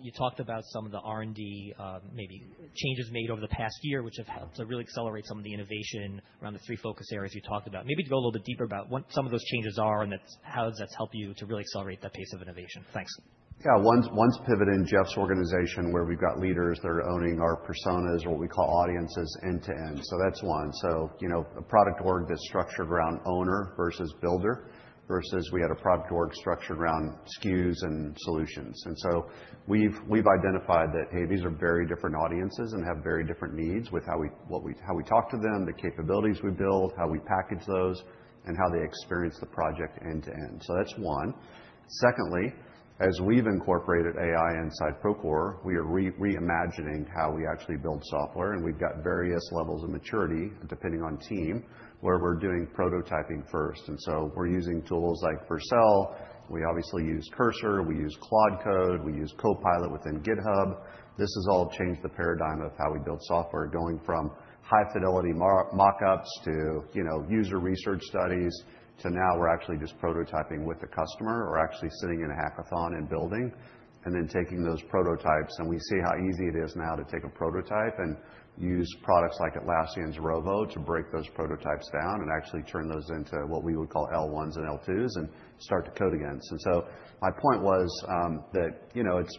you talked about some of the R&D maybe changes made over the past year, which have helped to really accelerate some of the innovation around the three focus areas you talked about. Maybe to go a little bit deeper about what some of those changes are and how does that help you to really accelerate that pace of innovation. Thanks. Yeah, one's pivot in Jeff's organization where we've got leaders that are owning our personas or what we call audiences end to end. So that's one. So a product org that's structured around owner versus builder versus we had a product org structured around SKUs and solutions. And so we've identified that, hey, these are very different audiences and have very different needs with how we talk to them, the capabilities we build, how we package those, and how they experience the project end to end. So that's one. Secondly, as we've incorporated AI inside Procore, we are reimagining how we actually build software. And we've got various levels of maturity depending on team where we're doing prototyping first. And so we're using tools like Vercel. We obviously use Cursor. We use Claude. We use Copilot within GitHub. This has all changed the paradigm of how we build software, going from high-fidelity mockups to user research studies to now we're actually just prototyping with the customer. We're actually sitting in a hackathon and building and then taking those prototypes. And we see how easy it is now to take a prototype and use products like Atlassian's Rovo to break those prototypes down and actually turn those into what we would call L1s and L2s and start to code again. And so my point was that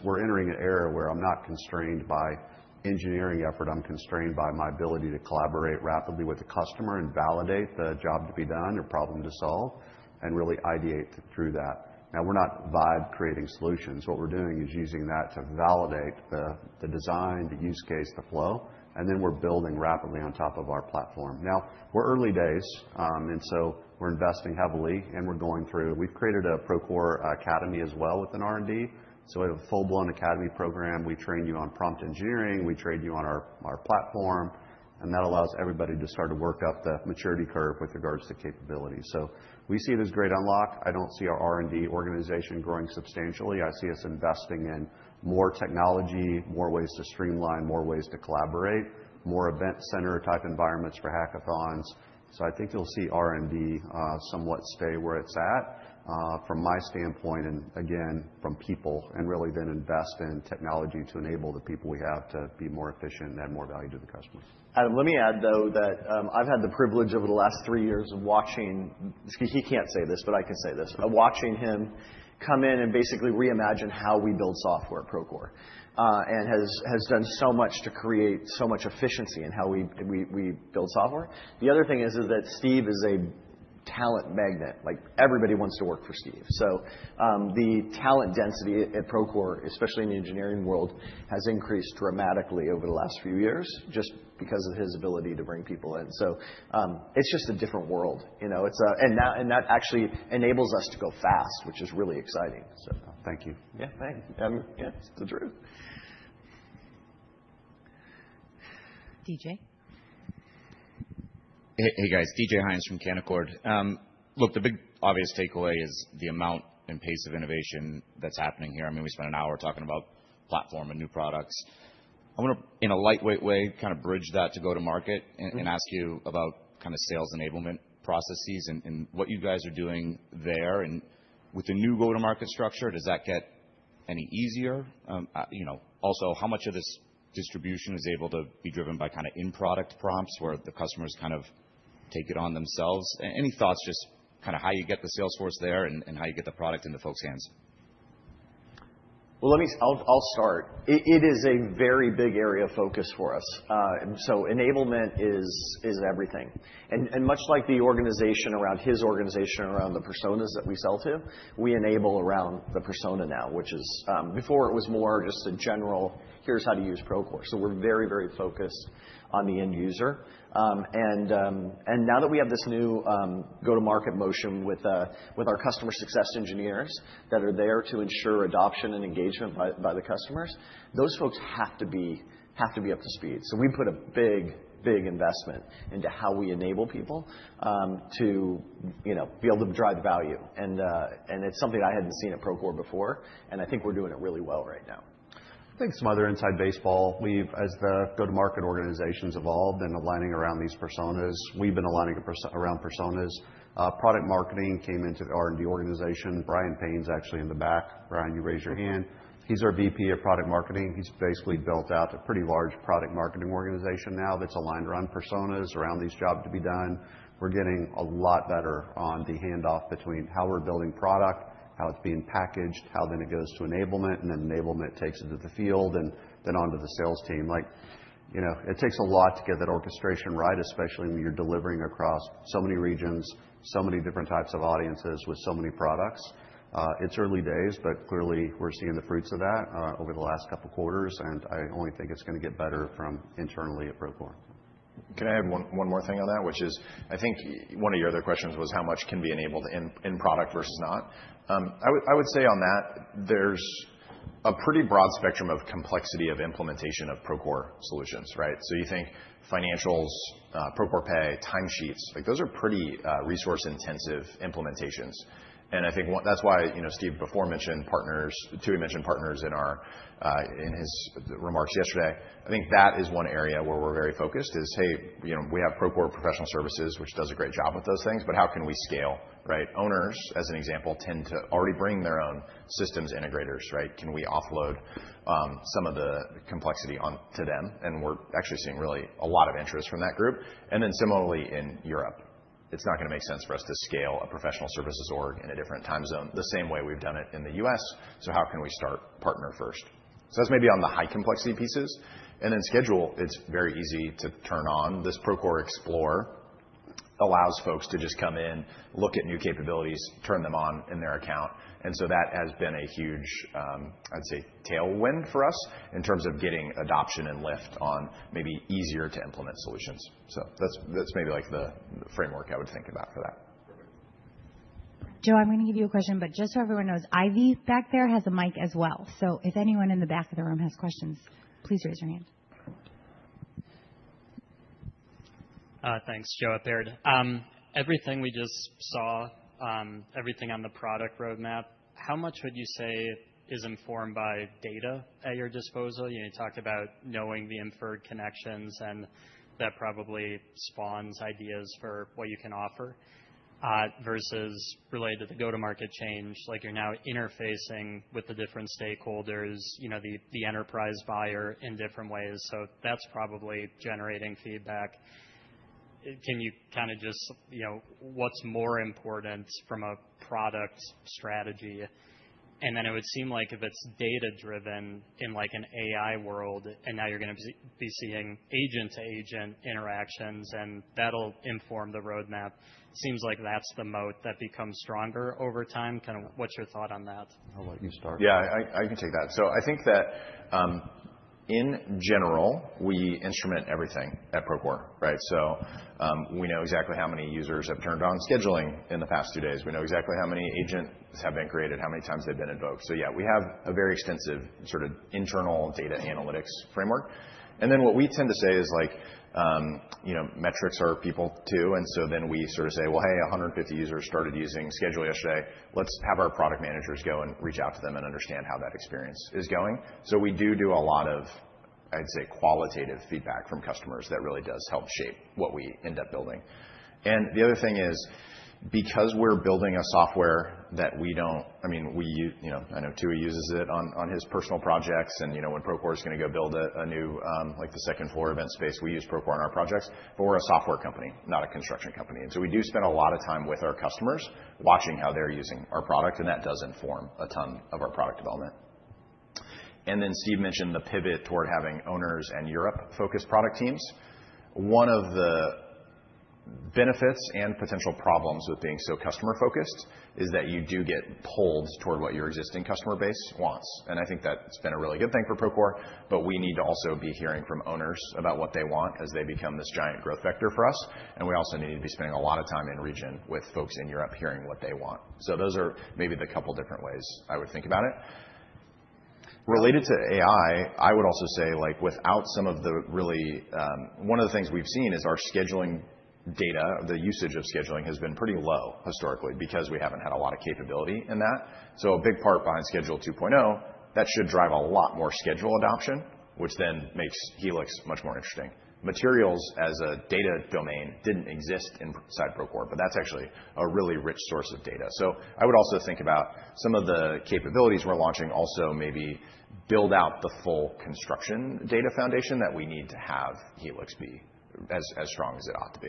we're entering an era where I'm not constrained by engineering effort. I'm constrained by my ability to collaborate rapidly with the customer and validate the job to be done or problem to solve and really ideate through that. Now, we're not vibe-creating solutions. What we're doing is using that to validate the design, the use case, the flow. And then we're building rapidly on top of our platform. Now, we're early days. And so we're investing heavily. And we're going through. We've created a Procore Academy as well within R&D. So we have a full-blown academy program. We train you on prompt engineering. We train you on our platform. And that allows everybody to start to work up the maturity curve with regards to capability. So we see this great unlock. I don't see our R&D organization growing substantially. I see us investing in more technology, more ways to streamline, more ways to collaborate, more event center type environments for hackathons. So I think you'll see R&D somewhat stay where it's at from my standpoint and, again, from people and really then invest in technology to enable the people we have to be more efficient and add more value to the customers. Let me add, though, that I've had the privilege over the last three years of watching. He can't say this, but I can say this. Watching him come in and basically reimagine how we build software at Procore and has done so much to create so much efficiency in how we build software. The other thing is that Steve is a talent magnet. Everybody wants to work for Steve. So the talent density at Procore, especially in the engineering world, has increased dramatically over the last few years just because of his ability to bring people in. So it's just a different world. And that actually enables us to go fast, which is really exciting. Thank you. Yeah, thanks. Yeah, it's the truth. DJ. Hey, guys. D.J. Hynes from Canaccord. Look, the big obvious takeaway is the amount and pace of innovation that's happening here. I mean, we spent an hour talking about platform and new products. I want to, in a lightweight way, kind of bridge that to go-to-market and ask you about kind of sales enablement processes and what you guys are doing there. And with the new go-to-market structure, does that get any easier? Also, how much of this distribution is able to be driven by kind of in-product prompts where the customers kind of take it on themselves? Any thoughts just kind of how you get the sales force there and how you get the product in the folks' hands? Well, I'll start. It is a very big area of focus for us. So enablement is everything. And much like the organization around his organization around the personas that we sell to, we enable around the persona now, which is before it was more just a general, here's how to use Procore. So we're very, very focused on the end user. And now that we have this new go-to-market motion with our customer success engineers that are there to ensure adoption and engagement by the customers, those folks have to be up to speed. So we put a big, big investment into how we enable people to be able to drive value. And it's something I hadn't seen at Procore before. And I think we're doing it really well right now. I think some other inside baseball. As the go-to-market organization has evolved and aligning around these personas, we've been aligning around personas. Product Marketing came into the R&D organization. Brian Payne's actually in the back. Brian, you raised your hand. He's our VP of Product Marketing. He's basically built out a pretty large Product Marketing organization now that's aligned around personas around these jobs to be done. We're getting a lot better on the handoff between how we're building product, how it's being packaged, how then it goes to enablement, and then enablement takes it to the field and then on to the sales team. It takes a lot to get that orchestration right, especially when you're delivering across so many regions, so many different types of audiences with so many products. It's early days, but clearly we're seeing the fruits of that over the last couple of quarters. And I only think it's going to get better from internally at Procore. Can I add one more thing on that, which is I think one of your other questions was how much can be enabled in product versus not. I would say on that, there's a pretty broad spectrum of complexity of implementation of Procore solutions, right? So you think financials, Procore Pay, timesheets, those are pretty resource-intensive implementations. And I think that's why Steve before mentioned partners. Tooey mentioned partners in his remarks yesterday. I think that is one area where we're very focused is, hey, we have Procore Professional Services, which does a great job with those things. But how can we scale, right? Owners, as an example, tend to already bring their own systems integrators, right? Can we offload some of the complexity onto them? And we're actually seeing really a lot of interest from that group. And then similarly in Europe, it's not going to make sense for us to scale a professional services org in a different time zone the same way we've done it in the US. So how can we start partner first? So that's maybe on the high-complexity pieces. And then schedule, it's very easy to turn on. This Procore Explore allows folks to just come in, look at new capabilities, turn them on in their account. And so that has been a huge, I'd say, tailwind for us in terms of getting adoption and lift on maybe easier to implement solutions. So that's maybe like the framework I would think about for that. Joe, I'm going to give you a question. But just so everyone knows, Ivy back there has a mic as well. So if anyone in the back of the room has questions, please raise your hand. Thanks, Joe Epard. Everything we just saw, everything on the product roadmap, how much would you say is informed by data at your disposal? You talked about knowing the inferred connections and that probably spawns ideas for what you can offer versus related to the go-to-market change. You're now interfacing with the different stakeholders, the enterprise buyer in different ways. So that's probably generating feedback. Can you kind of just what's more important from a product strategy? And then it would seem like if it's data-driven in an AI world and now you're going to be seeing agent-to-agent interactions and that'll inform the roadmap. It seems like that's the moat that becomes stronger over time. Kind of, what's your thought on that? I'll let you start. Yeah, I can take that. So I think that in general, we instrument everything at Procore, right? So we know exactly how many users have turned on scheduling in the past two days. We know exactly how many agents have been created, how many times they've been invoked. So yeah, we have a very extensive sort of internal data analytics framework. And then what we tend to say is metrics are people too. And so then we sort of say, well, hey, 150 users started using schedule yesterday. Let's have our product managers go and reach out to them and understand how that experience is going. So we do do a lot of, I'd say, qualitative feedback from customers that really does help shape what we end up building. And the other thing is because we're building a software that we don't I mean, I know Tooey uses it on his personal projects. And when Procore is going to go build a new second-floor event space, we use Procore on our projects. But we're a software company, not a construction company. And so we do spend a lot of time with our customers watching how they're using our product. And that does inform a ton of our product development. And then Steve mentioned the pivot toward having owners and Europe-focused product teams. One of the benefits and potential problems with being so customer-focused is that you do get pulled toward what your existing customer base wants. And I think that's been a really good thing for Procore. But we need to also be hearing from owners about what they want as they become this giant growth vector for us. And we also need to be spending a lot of time in region with folks in Europe hearing what they want. So those are maybe the couple of different ways I would think about it. Related to AI, I would also say one of the things we've seen is our scheduling data, the usage of scheduling has been pretty low historically because we haven't had a lot of capability in that. So a big part behind Schedule 2.0, that should drive a lot more schedule adoption, which then makes Helix much more interesting. Materials as a data domain didn't exist inside Procore, but that's actually a really rich source of data. So I would also think about some of the capabilities we're launching also maybe build out the full construction data foundation that we need to have Helix be as strong as it ought to be.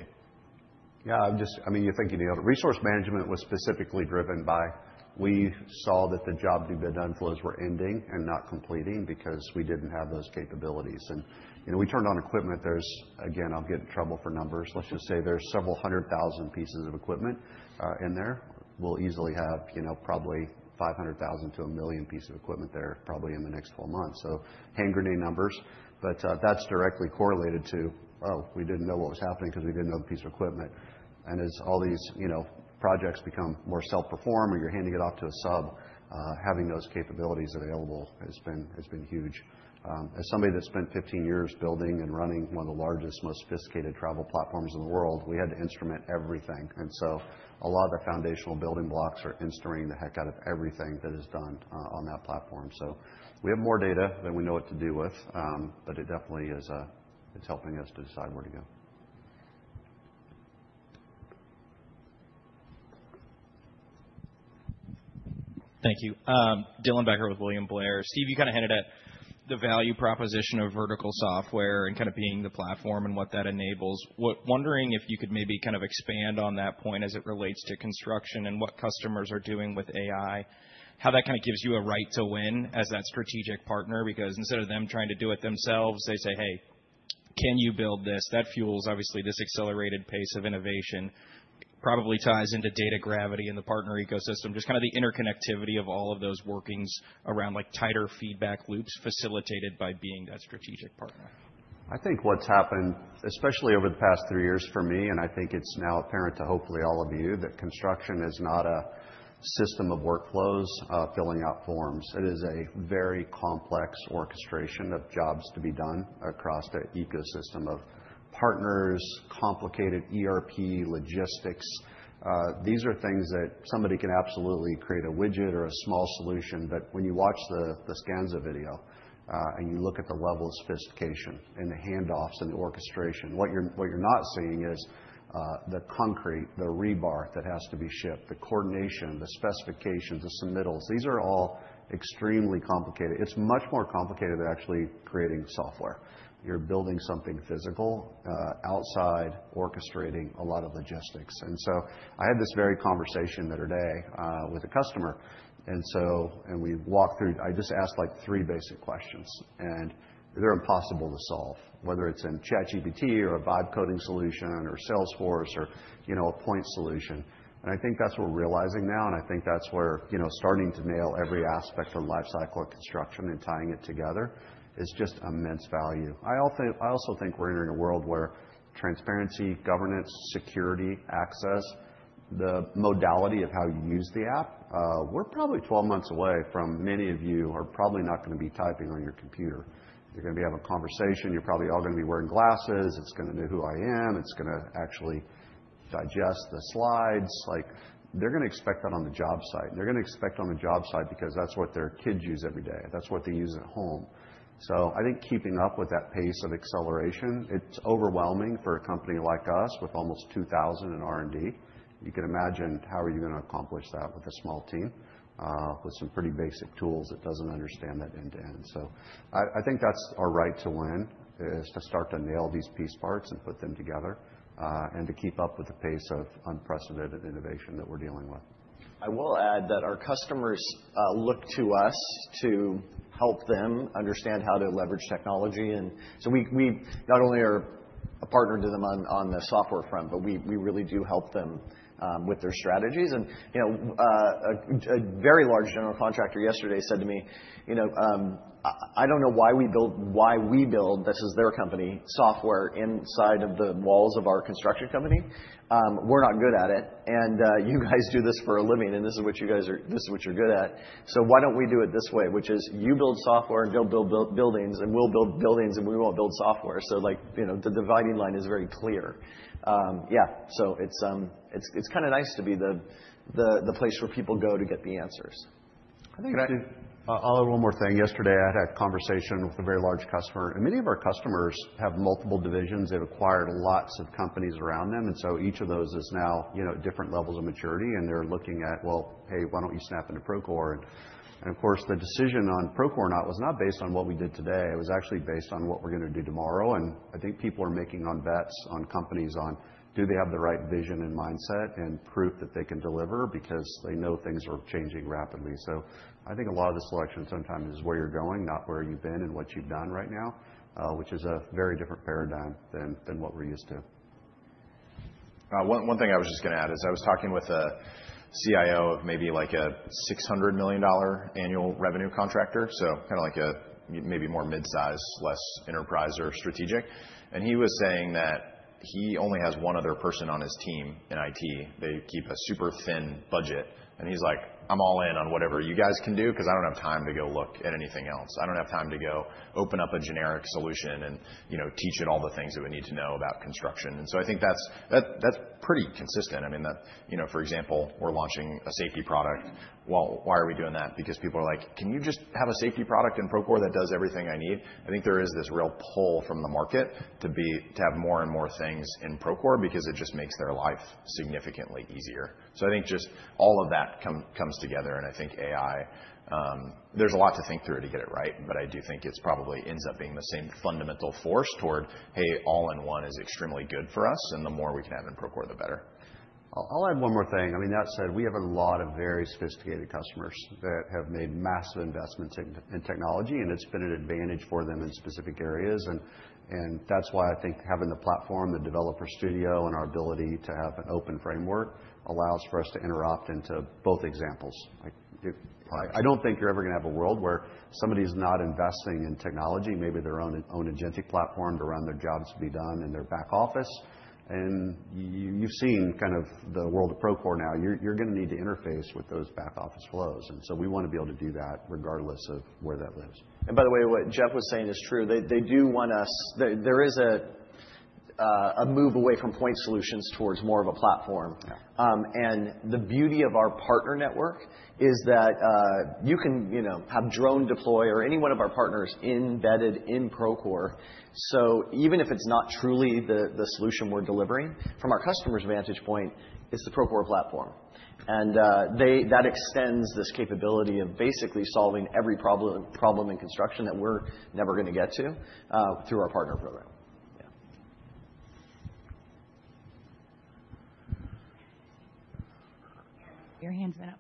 Yeah, I mean, you're thinking of resource management was specifically driven by we saw that the job-to-be-done flows were ending and not completing because we didn't have those capabilities. And we turned on equipment. There's, again, I'll get in trouble for numbers. Let's just say there's several hundred thousand pieces of equipment in there. We'll easily have probably 500,000-1 million pieces of equipment there probably in the next 12 months. So hand grenade numbers. but that's directly correlated to, oh, we didn't know what was happening because we didn't know the piece of equipment. and as all these projects become more self-perform or you're handing it off to a sub, having those capabilities available has been huge. As somebody that spent 15 years building and running one of the largest, most sophisticated travel platforms in the world, we had to instrument everything. and so a lot of the foundational building blocks are instrumenting the heck out of everything that is done on that platform. so we have more data than we know what to do with, but it definitely is helping us to decide where to go. Thank you. Dylan Becker with William Blair. Steve, you kind of hinted at the value proposition of vertical software and kind of being the platform and what that enables. Wondering if you could maybe kind of expand on that point as it relates to construction and what customers are doing with AI, how that kind of gives you a right to win as that strategic partner? Because instead of them trying to do it themselves, they say, hey, can you build this? That fuels, obviously, this accelerated pace of innovation. Probably ties into data gravity in the partner ecosystem, just kind of the interconnectivity of all of those workings around tighter feedback loops facilitated by being that strategic partner. I think what's happened, especially over the past three years for me, and I think it's now apparent to hopefully all of you that construction is not a system of workflows filling out forms. It is a very complex orchestration of jobs to be done across the ecosystem of partners, complicated ERP, logistics. These are things that somebody can absolutely create a widget or a small solution. But when you watch the scans of video and you look at the level of sophistication in the handoffs and the orchestration, what you're not seeing is the concrete, the rebar that has to be shipped, the coordination, the specifications, the submittals. These are all extremely complicated. It's much more complicated than actually creating software. You're building something physical outside orchestrating a lot of logistics. And so I had this very conversation the other day with a customer. And we walked through, I just asked three basic questions. And they're impossible to solve, whether it's in ChatGPT or a Vibe coding solution or Salesforce or a point solution. And I think that's what we're realizing now. And I think that's where starting to nail every aspect of the lifecycle of construction and tying it together is just immense value. I also think we're entering a world where transparency, governance, security, access, the modality of how you use the app. We're probably 12 months away from many of you are probably not going to be typing on your computer. You're going to be having a conversation. You're probably all going to be wearing glasses. It's going to know who I am. It's going to actually digest the slides. They're going to expect that on the job site. They're going to expect on the job site because that's what their kids use every day. That's what they use at home. So I think keeping up with that pace of acceleration. It's overwhelming for a company like us with almost 2,000 in R&D. You can imagine how you're going to accomplish that with a small team with some pretty basic tools that doesn't understand that end to end, so I think that's our right to win is to start to nail these piece parts and put them together and to keep up with the pace of unprecedented innovation that we're dealing with. I will add that our customers look to us to help them understand how to leverage technology, and so we not only are a partner to them on the software front, but we really do help them with their strategies, and a very large general contractor yesterday said to me, "I don't know why we build this as their company software inside of the walls of our construction company. We're not good at it, and you guys do this for a living. And this is what you guys are, this is what you're good at. "So why don't we do it this way, which is you build software and they'll build buildings and we'll build buildings and we won't build software," so the dividing line is very clear. Yeah, so it's kind of nice to be the place where people go to get the answers. I'll add one more thing. Yesterday, I had a conversation with a very large customer, and many of our customers have multiple divisions. They've acquired lots of companies around them, and so each of those is now at different levels of maturity, and they're looking at, well, hey, why don't you snap into Procore, and of course, the decision on Procore or not was not based on what we did today. It was actually based on what we're going to do tomorrow. I think people are making bets on companies on do they have the right vision and mindset and proof that they can deliver because they know things are changing rapidly. So I think a lot of the selection sometimes is where you're going, not where you've been and what you've done right now, which is a very different paradigm than what we're used to. One thing I was just going to add is I was talking with a CIO of maybe a $600 million annual revenue contractor, so kind of like a maybe more mid-size, less enterprise or strategic. And he was saying that he only has one other person on his team in IT. They keep a super thin budget. And he's like, "I'm all in on whatever you guys can do because I don't have time to go look at anything else. I don't have time to go open up a generic solution and teach it all the things it would need to know about construction," and so I think that's pretty consistent. I mean, for example, we're launching a safety product. Why are we doing that? Because people are like, "Can you just have a safety product in Procore that does everything I need?" I think there is this real pull from the market to have more and more things in Procore because it just makes their life significantly easier, so I think just all of that comes together, and I think, AI, there's a lot to think through to get it right, but I do think it probably ends up being the same fundamental force toward, hey, all-in-one is extremely good for us, and the more we can have in Procore, the better. I'll add one more thing. I mean, that said, we have a lot of very sophisticated customers that have made massive investments in technology. And it's been an advantage for them in specific areas. And that's why I think having the platform, the Developer Studio, and our ability to have an open framework allows for us to integrate into both examples. I don't think you're ever going to have a world where somebody's not investing in technology, maybe their own agent platform to run their jobs to be done in their back office. And you've seen kind of the world of Procore now. You're going to need to interface with those back office flows. And so we want to be able to do that regardless of where that lives. And by the way, what Jeff was saying is true. They do want us. There is a move away from point solutions towards more of a platform. And the beauty of our partner network is that you can have DroneDeploy or any one of our partners embedded in Procore. So even if it's not truly the solution we're delivering, from our customer's vantage point, it's the Procore platform. And that extends this capability of basically solving every problem in construction that we're never going to get to through our partner program. Yeah. Your hand's been up.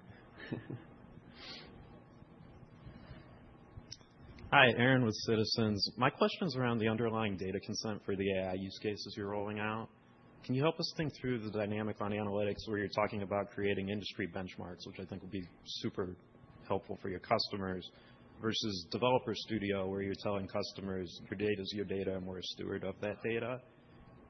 Hi, Aaron with Citizens. My question is around the underlying data consent for the AI use cases you're rolling out. Can you help us think through the dynamic on analytics where you're talking about creating industry benchmarks, which I think will be super helpful for your customers, versus Developer Studio where you're telling customers your data is your data and we're a steward of that data?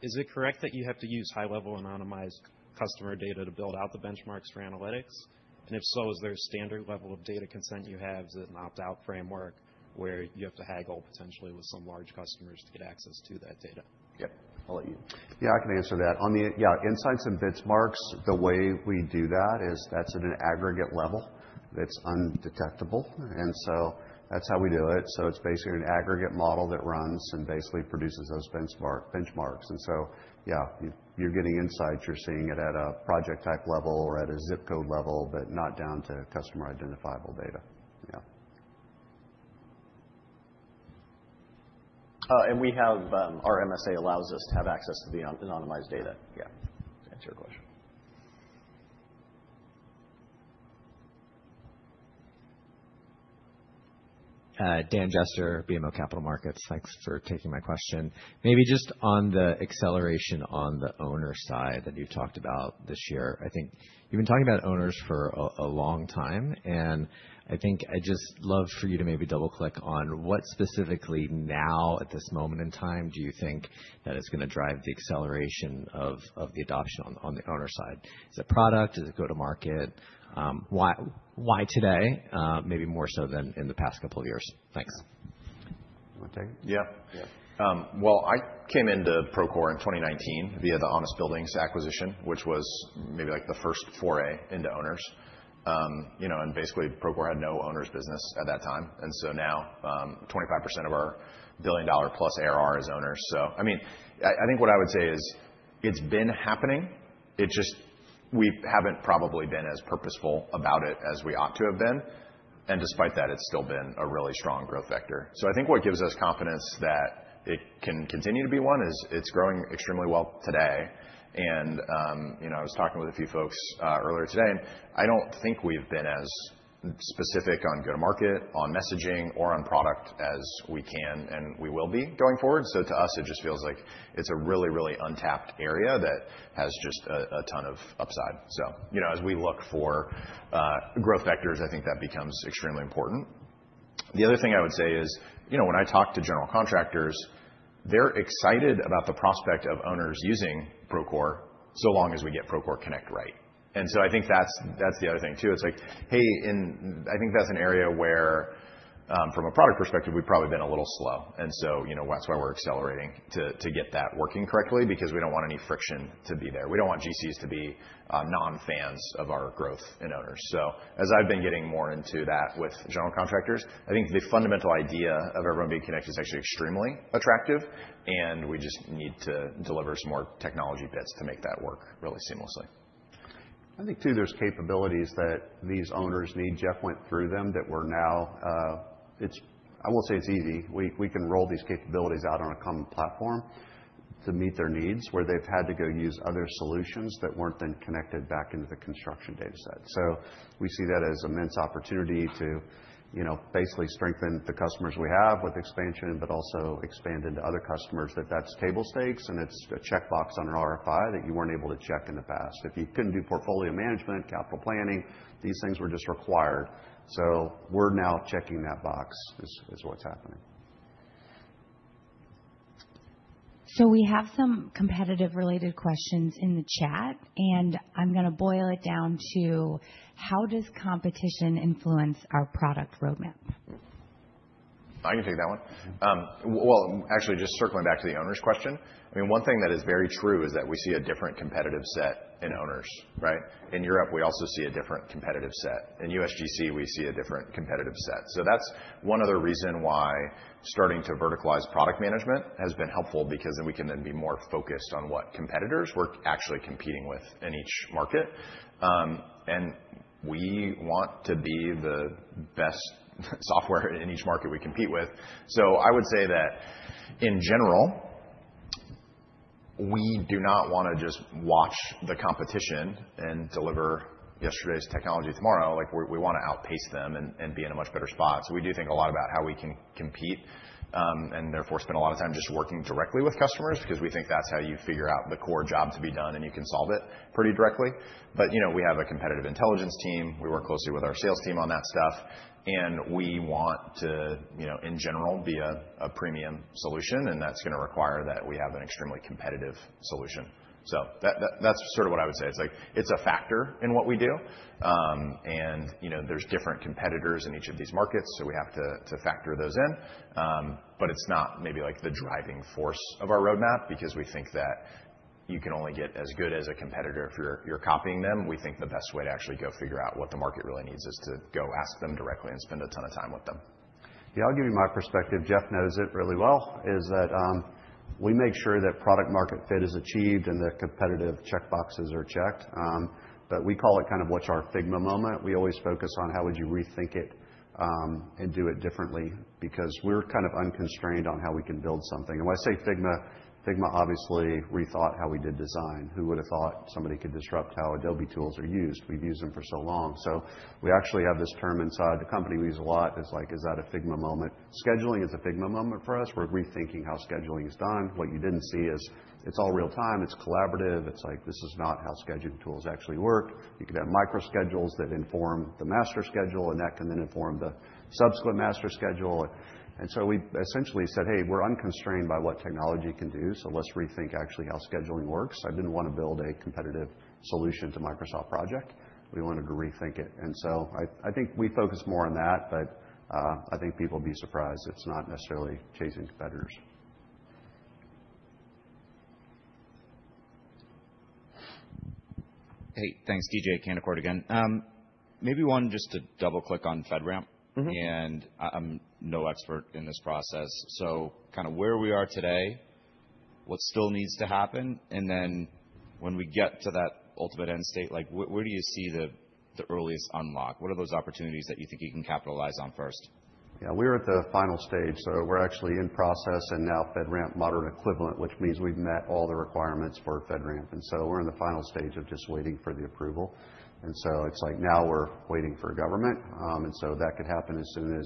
Is it correct that you have to use high-level anonymized customer data to build out the benchmarks for analytics? And if so, is there a standard level of data consent you have? Is it an opt-out framework where you have to haggle potentially with some large customers to get access to that data? Yep. I'll let you. Yeah, I can answer that. Yeah, insights and benchmarks, the way we do that is that's at an aggregate level. It's undetectable. And so that's how we do it. So it's basically an aggregate model that runs and basically produces those benchmarks. And so, yeah, you're getting insights. You're seeing it at a project type level or at a zip code level, but not down to customer identifiable data. Yeah. And we have our MSA allows us to have access to the anonymized data. Yeah, to answer your question. Dan Jester, BMO Capital Markets. Thanks for taking my question. Maybe just on the acceleration on the owner side that you talked about this year. I think you've been talking about owners for a long time. And I think I'd just love for you to maybe double-click on what specifically now at this moment in time do you think that is going to drive the acceleration of the adoption on the owner side? Is it product? Is it go-to-market? Why today, maybe more so than in the past couple of years? Thanks. One thing? Yeah. Yeah. I came into Procore in 2019 via the Honest Buildings acquisition, which was maybe like the first foray into owners. Basically, Procore had no owners' business at that time. Now 25% of our billion-dollar-plus ARR is owners. I mean, I think what I would say is it's been happening. It's just we haven't probably been as purposeful about it as we ought to have been. Despite that, it's still been a really strong growth vector. I think what gives us confidence that it can continue to be one is it's growing extremely well today. I was talking with a few folks earlier today. I don't think we've been as specific on go-to-market, on messaging, or on product as we can and we will be going forward. So to us, it just feels like it's a really, really untapped area that has just a ton of upside. So as we look for growth vectors, I think that becomes extremely important. The other thing I would say is when I talk to general contractors, they're excited about the prospect of owners using Procore so long as we get Procore Connect right. And so I think that's the other thing too. It's like, hey, I think that's an area where from a product perspective, we've probably been a little slow. And so that's why we're accelerating to get that working correctly because we don't want any friction to be there. We don't want GCs to be non-fans of our growth and owners. So as I've been getting more into that with general contractors, I think the fundamental idea of everyone being connected is actually extremely attractive. And we just need to deliver some more technology bits to make that work really seamlessly. I think too there's capabilities that these owners need. Jeff went through them that we're now. I will say it's easy. We can roll these capabilities out on a common platform to meet their needs where they've had to go use other solutions that weren't then connected back into the construction data set. So we see that as immense opportunity to basically strengthen the customers we have with expansion, but also expand into other customers that that's table stakes and it's a checkbox on an RFI that you weren't able to check in the past. If you couldn't do portfolio management, capital planning, these things were just required. So we're now checking that box is what's happening. So we have some competitive-related questions in the chat. I'm going to boil it down to how does competition influence our product roadmap? I can take that one. Actually, just circling back to the owners' question. I mean, one thing that is very true is that we see a different competitive set in owners, right? In Europe, we also see a different competitive set. In U.S. GC, we see a different competitive set. That's one other reason why starting to verticalize product management has been helpful because then we can then be more focused on what competitors we're actually competing with in each market. We want to be the best software in each market we compete with. I would say that in general, we do not want to just watch the competition and deliver yesterday's technology tomorrow. We want to outpace them and be in a much better spot. So we do think a lot about how we can compete. And therefore, spend a lot of time just working directly with customers because we think that's how you figure out the core job to be done and you can solve it pretty directly. But we have a competitive intelligence team. We work closely with our sales team on that stuff. And we want to, in general, be a premium solution. And that's going to require that we have an extremely competitive solution. So that's sort of what I would say. It's a factor in what we do. And there's different competitors in each of these markets. So we have to factor those in. But it's not maybe like the driving force of our roadmap because we think that you can only get as good as a competitor if you're copying them. We think the best way to actually go figure out what the market really needs is to go ask them directly and spend a ton of time with them. Yeah, I'll give you my perspective. Jeff knows it really well, is that we make sure that product-market fit is achieved and the competitive checkboxes are checked but we call it kind of what's our Figma moment. We always focus on how would you rethink it and do it differently because we're kind of unconstrained on how we can build something and when I say Figma, Figma obviously rethought how we did design. Who would have thought somebody could disrupt how Adobe tools are used? We've used them for so long so we actually have this term inside the company we use a lot, is like, is that a Figma moment? Scheduling is a Figma moment for us. We're rethinking how scheduling is done. What you didn't see is it's all real-time. It's collaborative. It's like, this is not how scheduling tools actually work. You could have micro-schedules that inform the master schedule. And that can then inform the subsequent master schedule. And so we essentially said, hey, we're unconstrained by what technology can do. So let's rethink actually how scheduling works. I didn't want to build a competitive solution to Microsoft Project. We wanted to rethink it. And so I think we focus more on that. But I think people would be surprised. It's not necessarily chasing competitors. Hey, thanks, DJ Canaccord again. Maybe one just to double-click on FedRAMP. And I'm no expert in this process. So kind of where we are today, what still needs to happen? And then when we get to that ultimate end state, where do you see the earliest unlock? What are those opportunities that you think you can capitalize on first? Yeah, we're at the final stage, so we're actually in process and now FedRAMP Moderate equivalent, which means we've met all the requirements for FedRAMP, and so we're in the final stage of just waiting for the approval, and so it's like now we're waiting for government, and so that could happen as soon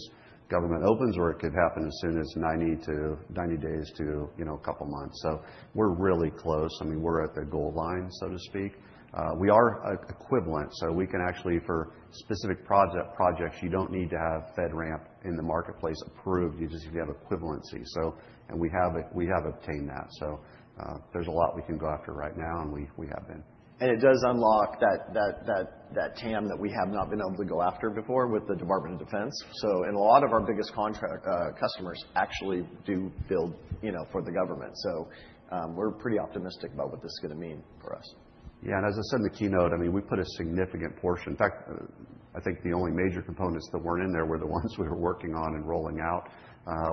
as government opens or it could happen as soon as 90 days to a couple of months, so we're really close. I mean, we're at the goal line, so to speak. We are equivalent, so we can actually, for specific projects, you don't need to have FedRAMP in the marketplace approved. You just have equivalency, and we have obtained that, so there's a lot we can go after right now, and we have been. And it does unlock that TAM that we have not been able to go after before with the Department of Defense. So a lot of our biggest customers actually do build for the government. So we're pretty optimistic about what this is going to mean for us. Yeah. And as I said in the keynote, I mean, we put a significant portion. In fact, I think the only major components that weren't in there were the ones we were working on and rolling out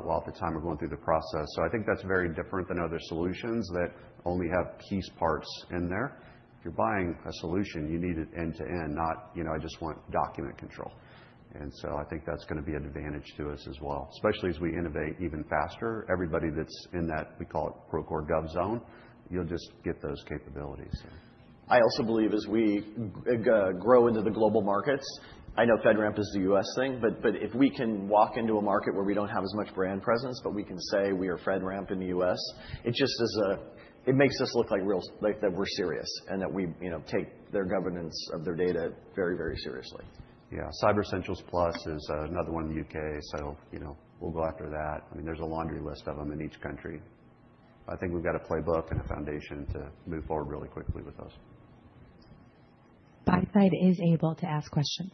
while, at the time of going through the process. So I think that's very different than other solutions that only have piece parts in there. If you're buying a solution, you need it end-to-end, not, I just want document control. And so I think that's going to be an advantage to us as well, especially as we innovate even faster. Everybody that's in that, we call it Procore Gov Zone, you'll just get those capabilities. I also believe as we grow into the global markets, I know FedRAMP is the U.S. thing. But if we can walk into a market where we don't have as much brand presence, but we can say we are FedRAMP in the U.S., it just makes us look like real that we're serious and that we take their governance of their data very, very seriously. Yeah. Cyber Essentials Plus is another one in the U.K. So we'll go after that. I mean, there's a laundry list of them in each country. I think we've got a playbook and a foundation to move forward really quickly with those. Buy side is able to ask questions.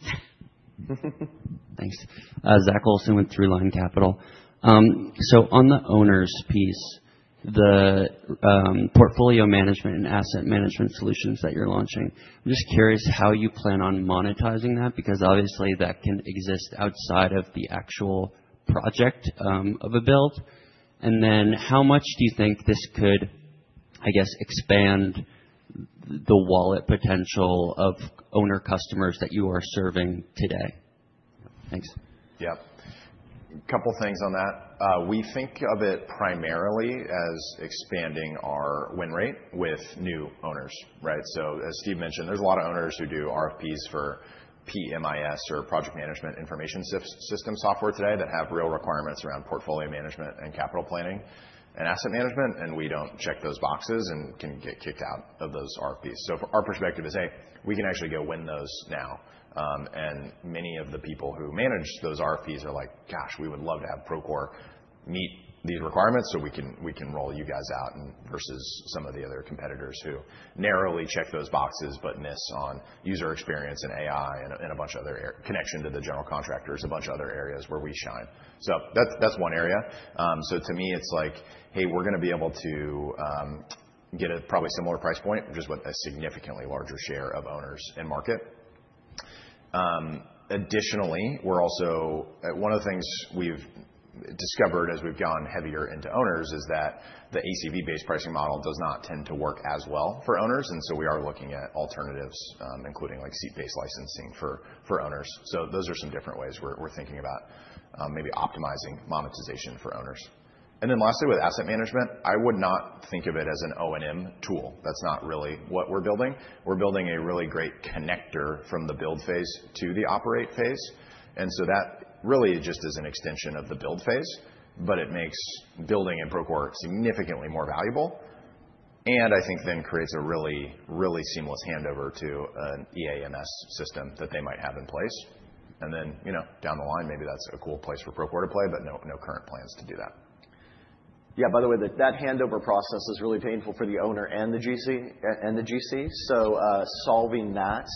Thanks. Zach Olson with Throughline Capital. So on the owners' piece, the portfolio management and asset management solutions that you're launching, I'm just curious how you plan on monetizing that, because obviously that can exist outside of the actual project of a build. And then how much do you think this could, I guess, expand the wallet potential of owner customers that you are serving today? Thanks. Yeah. A couple of things on that. We think of it primarily as expanding our win rate with new owners, right? So as Steve mentioned, there's a lot of owners who do RFPs for PMIS or Project Management Information System software today that have real requirements around portfolio management and capital planning and asset management. And we don't check those boxes and can get kicked out of those RFPs. So our perspective is, hey, we can actually go win those now. Many of the people who manage those RFPs are like, "Gosh, we would love to have Procore meet these requirements so we can roll you guys out versus some of the other competitors who narrowly check those boxes but miss on user experience and AI and a bunch of other connection to the general contractors, a bunch of other areas where we shine." That's one area. To me, it's like, "Hey, we're going to be able to get a probably similar price point, just with a significantly larger share of owners in market." Additionally, one of the things we've discovered as we've gone heavier into owners is that the ACV-based pricing model does not tend to work as well for owners, and so we are looking at alternatives, including seat-based licensing for owners. Those are some different ways we're thinking about maybe optimizing monetization for owners. And then lastly, with asset management, I would not think of it as an O&M tool. That's not really what we're building. We're building a really great connector from the build phase to the operate phase. And so that really just is an extension of the build phase. But it makes building in Procore significantly more valuable. And I think then creates a really, really seamless handover to an EAMS system that they might have in place. And then down the line, maybe that's a cool place for Procore to play, but no current plans to do that. Yeah, by the way, that handover process is really painful for the owner and the GC. So solving that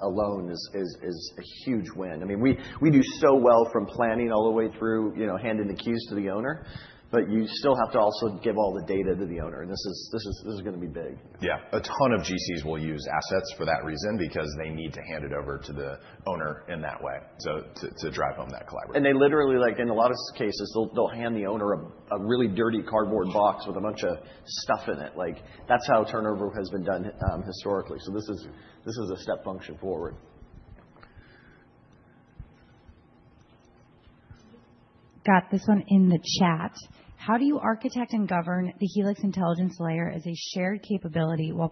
alone is a huge win. I mean, we do so well from planning all the way through handing the keys to the owner. But you still have to also give all the data to the owner. And this is going to be big. Yeah. A ton of GCs will use assets for that reason because they need to hand it over to the owner in that way. So to drive home that collaboration. And they literally, in a lot of cases, they'll hand the owner a really dirty cardboard box with a bunch of stuff in it. That's how turnover has been done historically. So this is a step function forward. Got this one in the chat. How do you architect and govern the Helix Intelligence layer as a shared capability while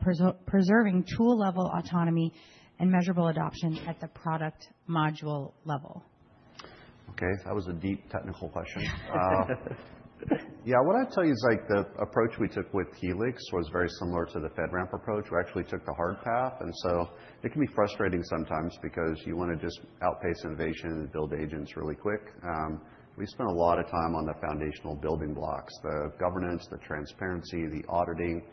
preserving tool-level autonomy and measurable adoption at the product module level? Okay. That was a deep technical question. Yeah. What I'd tell you is the approach we took with Helix was very similar to the FedRAMP approach. We actually took the hard path, and so it can be frustrating sometimes because you want to just outpace innovation and build agents really quick. We spent a lot of time on the foundational building blocks, the governance, the transparency, the auditing.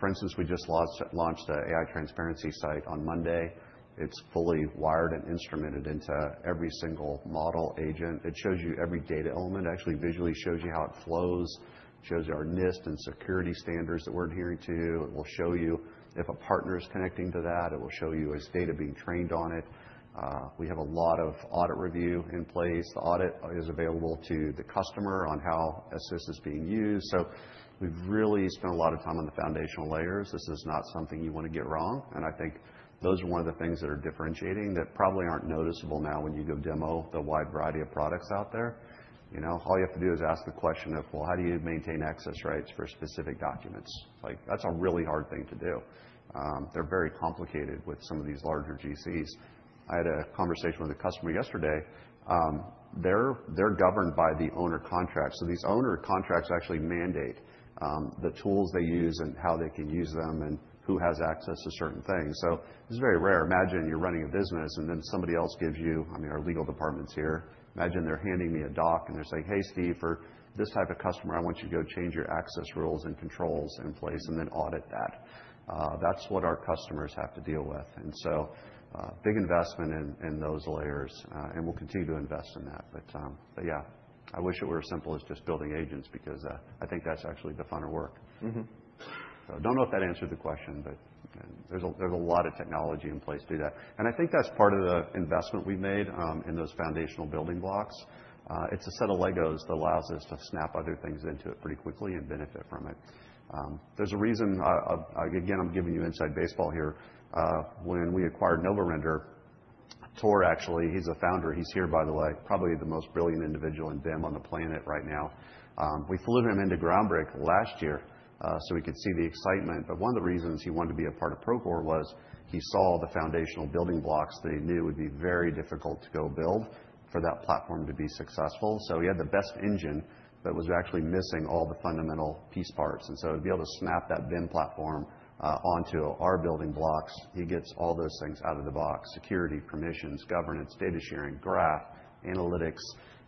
For instance, we just launched an AI transparency site on Monday. It's fully wired and instrumented into every single model agent. It shows you every data element. It actually visually shows you how it flows. It shows our NIST and security standards that we're adhering to. It will show you if a partner is connecting to that. It will show you your data being trained on it. We have a lot of audit review in place. The audit is available to the customer on how Assist is being used, so we've really spent a lot of time on the foundational layers. This is not something you want to get wrong, and I think those are one of the things that are differentiating that probably aren't noticeable now when you go demo the wide variety of products out there. All you have to do is ask the question of, well, how do you maintain access rights for specific documents? That's a really hard thing to do. They're very complicated with some of these larger GCs. I had a conversation with a customer yesterday. They're governed by the owner contract, so these owner contracts actually mandate the tools they use and how they can use them and who has access to certain things, so it's very rare. Imagine you're running a business and then somebody else gives you, I mean, our legal department's here. Imagine they're handing me a doc and they're saying, "Hey, Steve, for this type of customer, I want you to go change your access rules and controls in place and then audit that." That's what our customers have to deal with. And so big investment in those layers. And we'll continue to invest in that. But yeah, I wish it were as simple as just building agents because I think that's actually the funner work. So I don't know if that answered the question, but there's a lot of technology in place to do that. And I think that's part of the investment we've made in those foundational building blocks. It's a set of Legos that allows us to snap other things into it pretty quickly and benefit from it. There's a reason, again, I'm giving you inside baseball here. When we acquired Novorender, Tor, actually, he's a founder. He's here, by the way, probably the most brilliant individual in BIM on the planet right now. We flew him into Groundbreak last year so we could see the excitement. But one of the reasons he wanted to be a part of Procore was he saw the foundational building blocks that he knew would be very difficult to go build for that platform to be successful. So he had the best engine, but it was actually missing all the fundamental piece parts. And so to be able to snap that BIM platform onto our building blocks, he gets all those things out of the box: security, permissions, governance, data sharing, graph, analytics,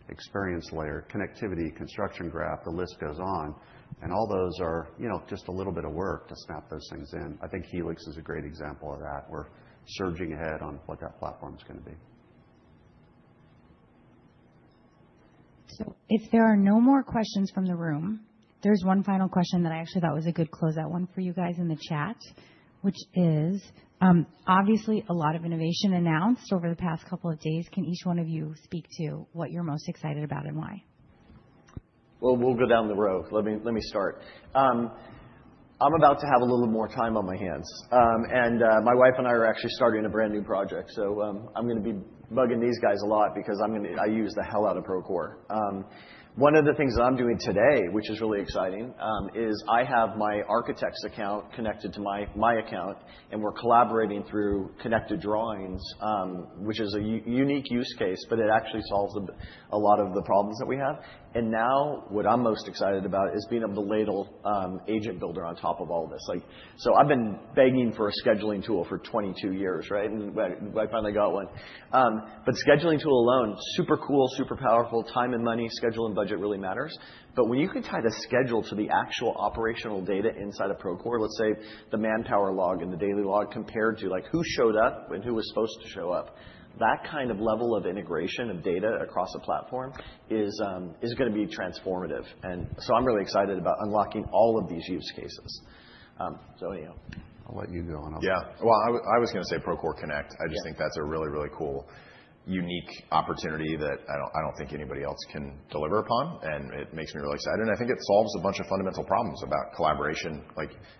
experience layer, connectivity, construction graph, the list goes on. And all those are just a little bit of work to snap those things in. I think Helix is a great example of that. We're surging ahead on what that platform is going to be. So if there are no more questions from the room, there's one final question that I actually thought was a good closeout one for you guys in the chat, which is, obviously, a lot of innovation announced over the past couple of days. Can each one of you speak to what you're most excited about and why? Well, we'll go down the road. Let me start. I'm about to have a little more time on my hands. And my wife and I are actually starting a brand new project. So I'm going to be bugging these guys a lot because I use the hell out of Procore. One of the things that I'm doing today, which is really exciting, is I have my architect's account connected to my account. And we're collaborating through connected drawings, which is a unique use case, but it actually solves a lot of the problems that we have. And now what I'm most excited about is being able to layer Agent Builder on top of all this. So I've been begging for a scheduling tool for 22 years, right? And I finally got one. But scheduling tool alone, super cool, super powerful. Time and money, schedule and budget really matters. But when you can tie the schedule to the actual operational data inside of Procore, let's say the manpower log and the daily log compared to who showed up and who was supposed to show up, that kind of level of integration of data across a platform is going to be transformative. And so I'm really excited about unlocking all of these use cases. So anyhow, I'll let you go. Yeah. I was going to say Procore Connect. I just think that's a really, really cool, unique opportunity that I don't think anybody else can deliver upon. It makes me really excited. I think it solves a bunch of fundamental problems about collaboration.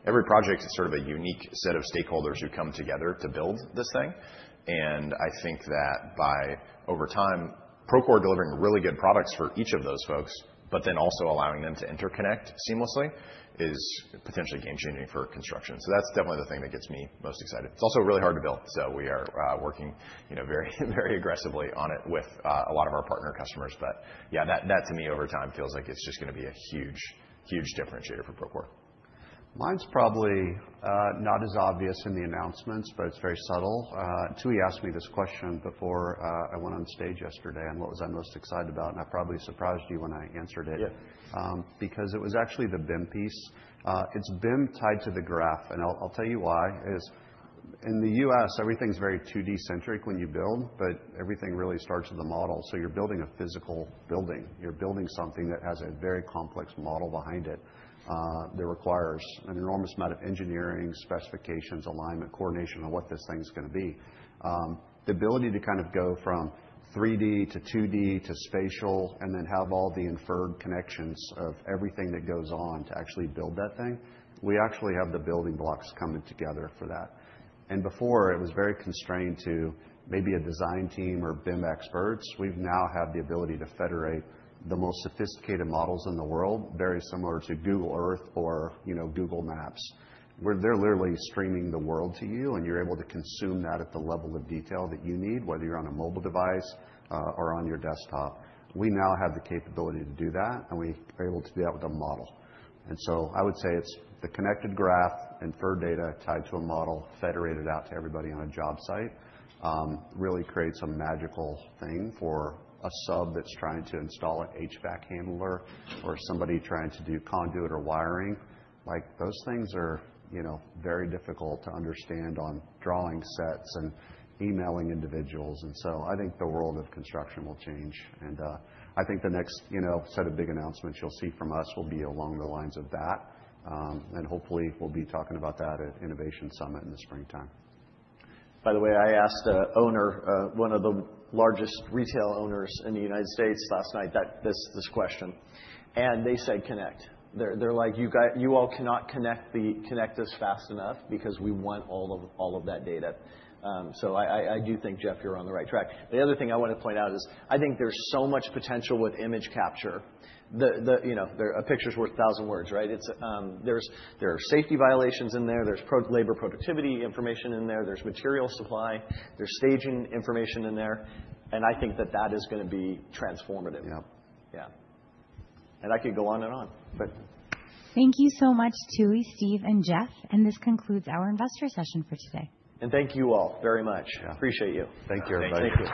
Every project is sort of a unique set of stakeholders who come together to build this thing. I think that by over time, Procore delivering really good products for each of those folks, but then also allowing them to interconnect seamlessly is potentially game-changing for construction. That's definitely the thing that gets me most excited. It's also really hard to build. We are working very aggressively on it with a lot of our partner customers. Yeah, that to me, over time, feels like it's just going to be a huge, huge differentiator for Procore. Mine's probably not as obvious in the announcements, but it's very subtle. Tooey asked me this question before I went on stage yesterday on what was I most excited about. And I probably surprised you when I answered it because it was actually the BIM piece. It's BIM tied to the graph. And I'll tell you why. In the U.S., everything's very 2D centric when you build, but everything really starts with the model. So you're building a physical building. You're building something that has a very complex model behind it that requires an enormous amount of engineering, specifications, alignment, coordination on what this thing's going to be. The ability to kind of go from 3D to 2D to spatial and then have all the inferred connections of everything that goes on to actually build that thing, we actually have the building blocks coming together for that. And before, it was very constrained to maybe a design team or BIM experts. We now have the ability to federate the most sophisticated models in the world, very similar to Google Earth or Google Maps, where they're literally streaming the world to you. And you're able to consume that at the level of detail that you need, whether you're on a mobile device or on your desktop. We now have the capability to do that. And we are able to do that with a model. And so I would say it's the connected graph, inferred data tied to a model, federated out to everybody on a job site, really creates a magical thing for a sub that's trying to install an HVAC handler or somebody trying to do conduit or wiring. Those things are very difficult to understand on drawing sets and emailing individuals. And so I think the world of construction will change. And I think the next set of big announcements you'll see from us will be along the lines of that. And hopefully, we'll be talking about that at Innovation Summit in the springtime. By the way, I asked one of the largest retail owners in the United States last night this question. And they said, "Connect." They're like, "You all cannot connect us fast enough because we want all of that data." So I do think, Jeff, you're on the right track. The other thing I want to point out is I think there's so much potential with image capture. A picture is worth a thousand words, right? There are safety violations in there. There's labor productivity information in there. There's material supply. There's staging information in there. And I think that that is going to be transformative. Yeah. And I could go on and on, but. Thank you so much, Tooey, Steve, and Jeff. And this concludes our investor session for today. And thank you all very much. Appreciate you. Thank you, everybody.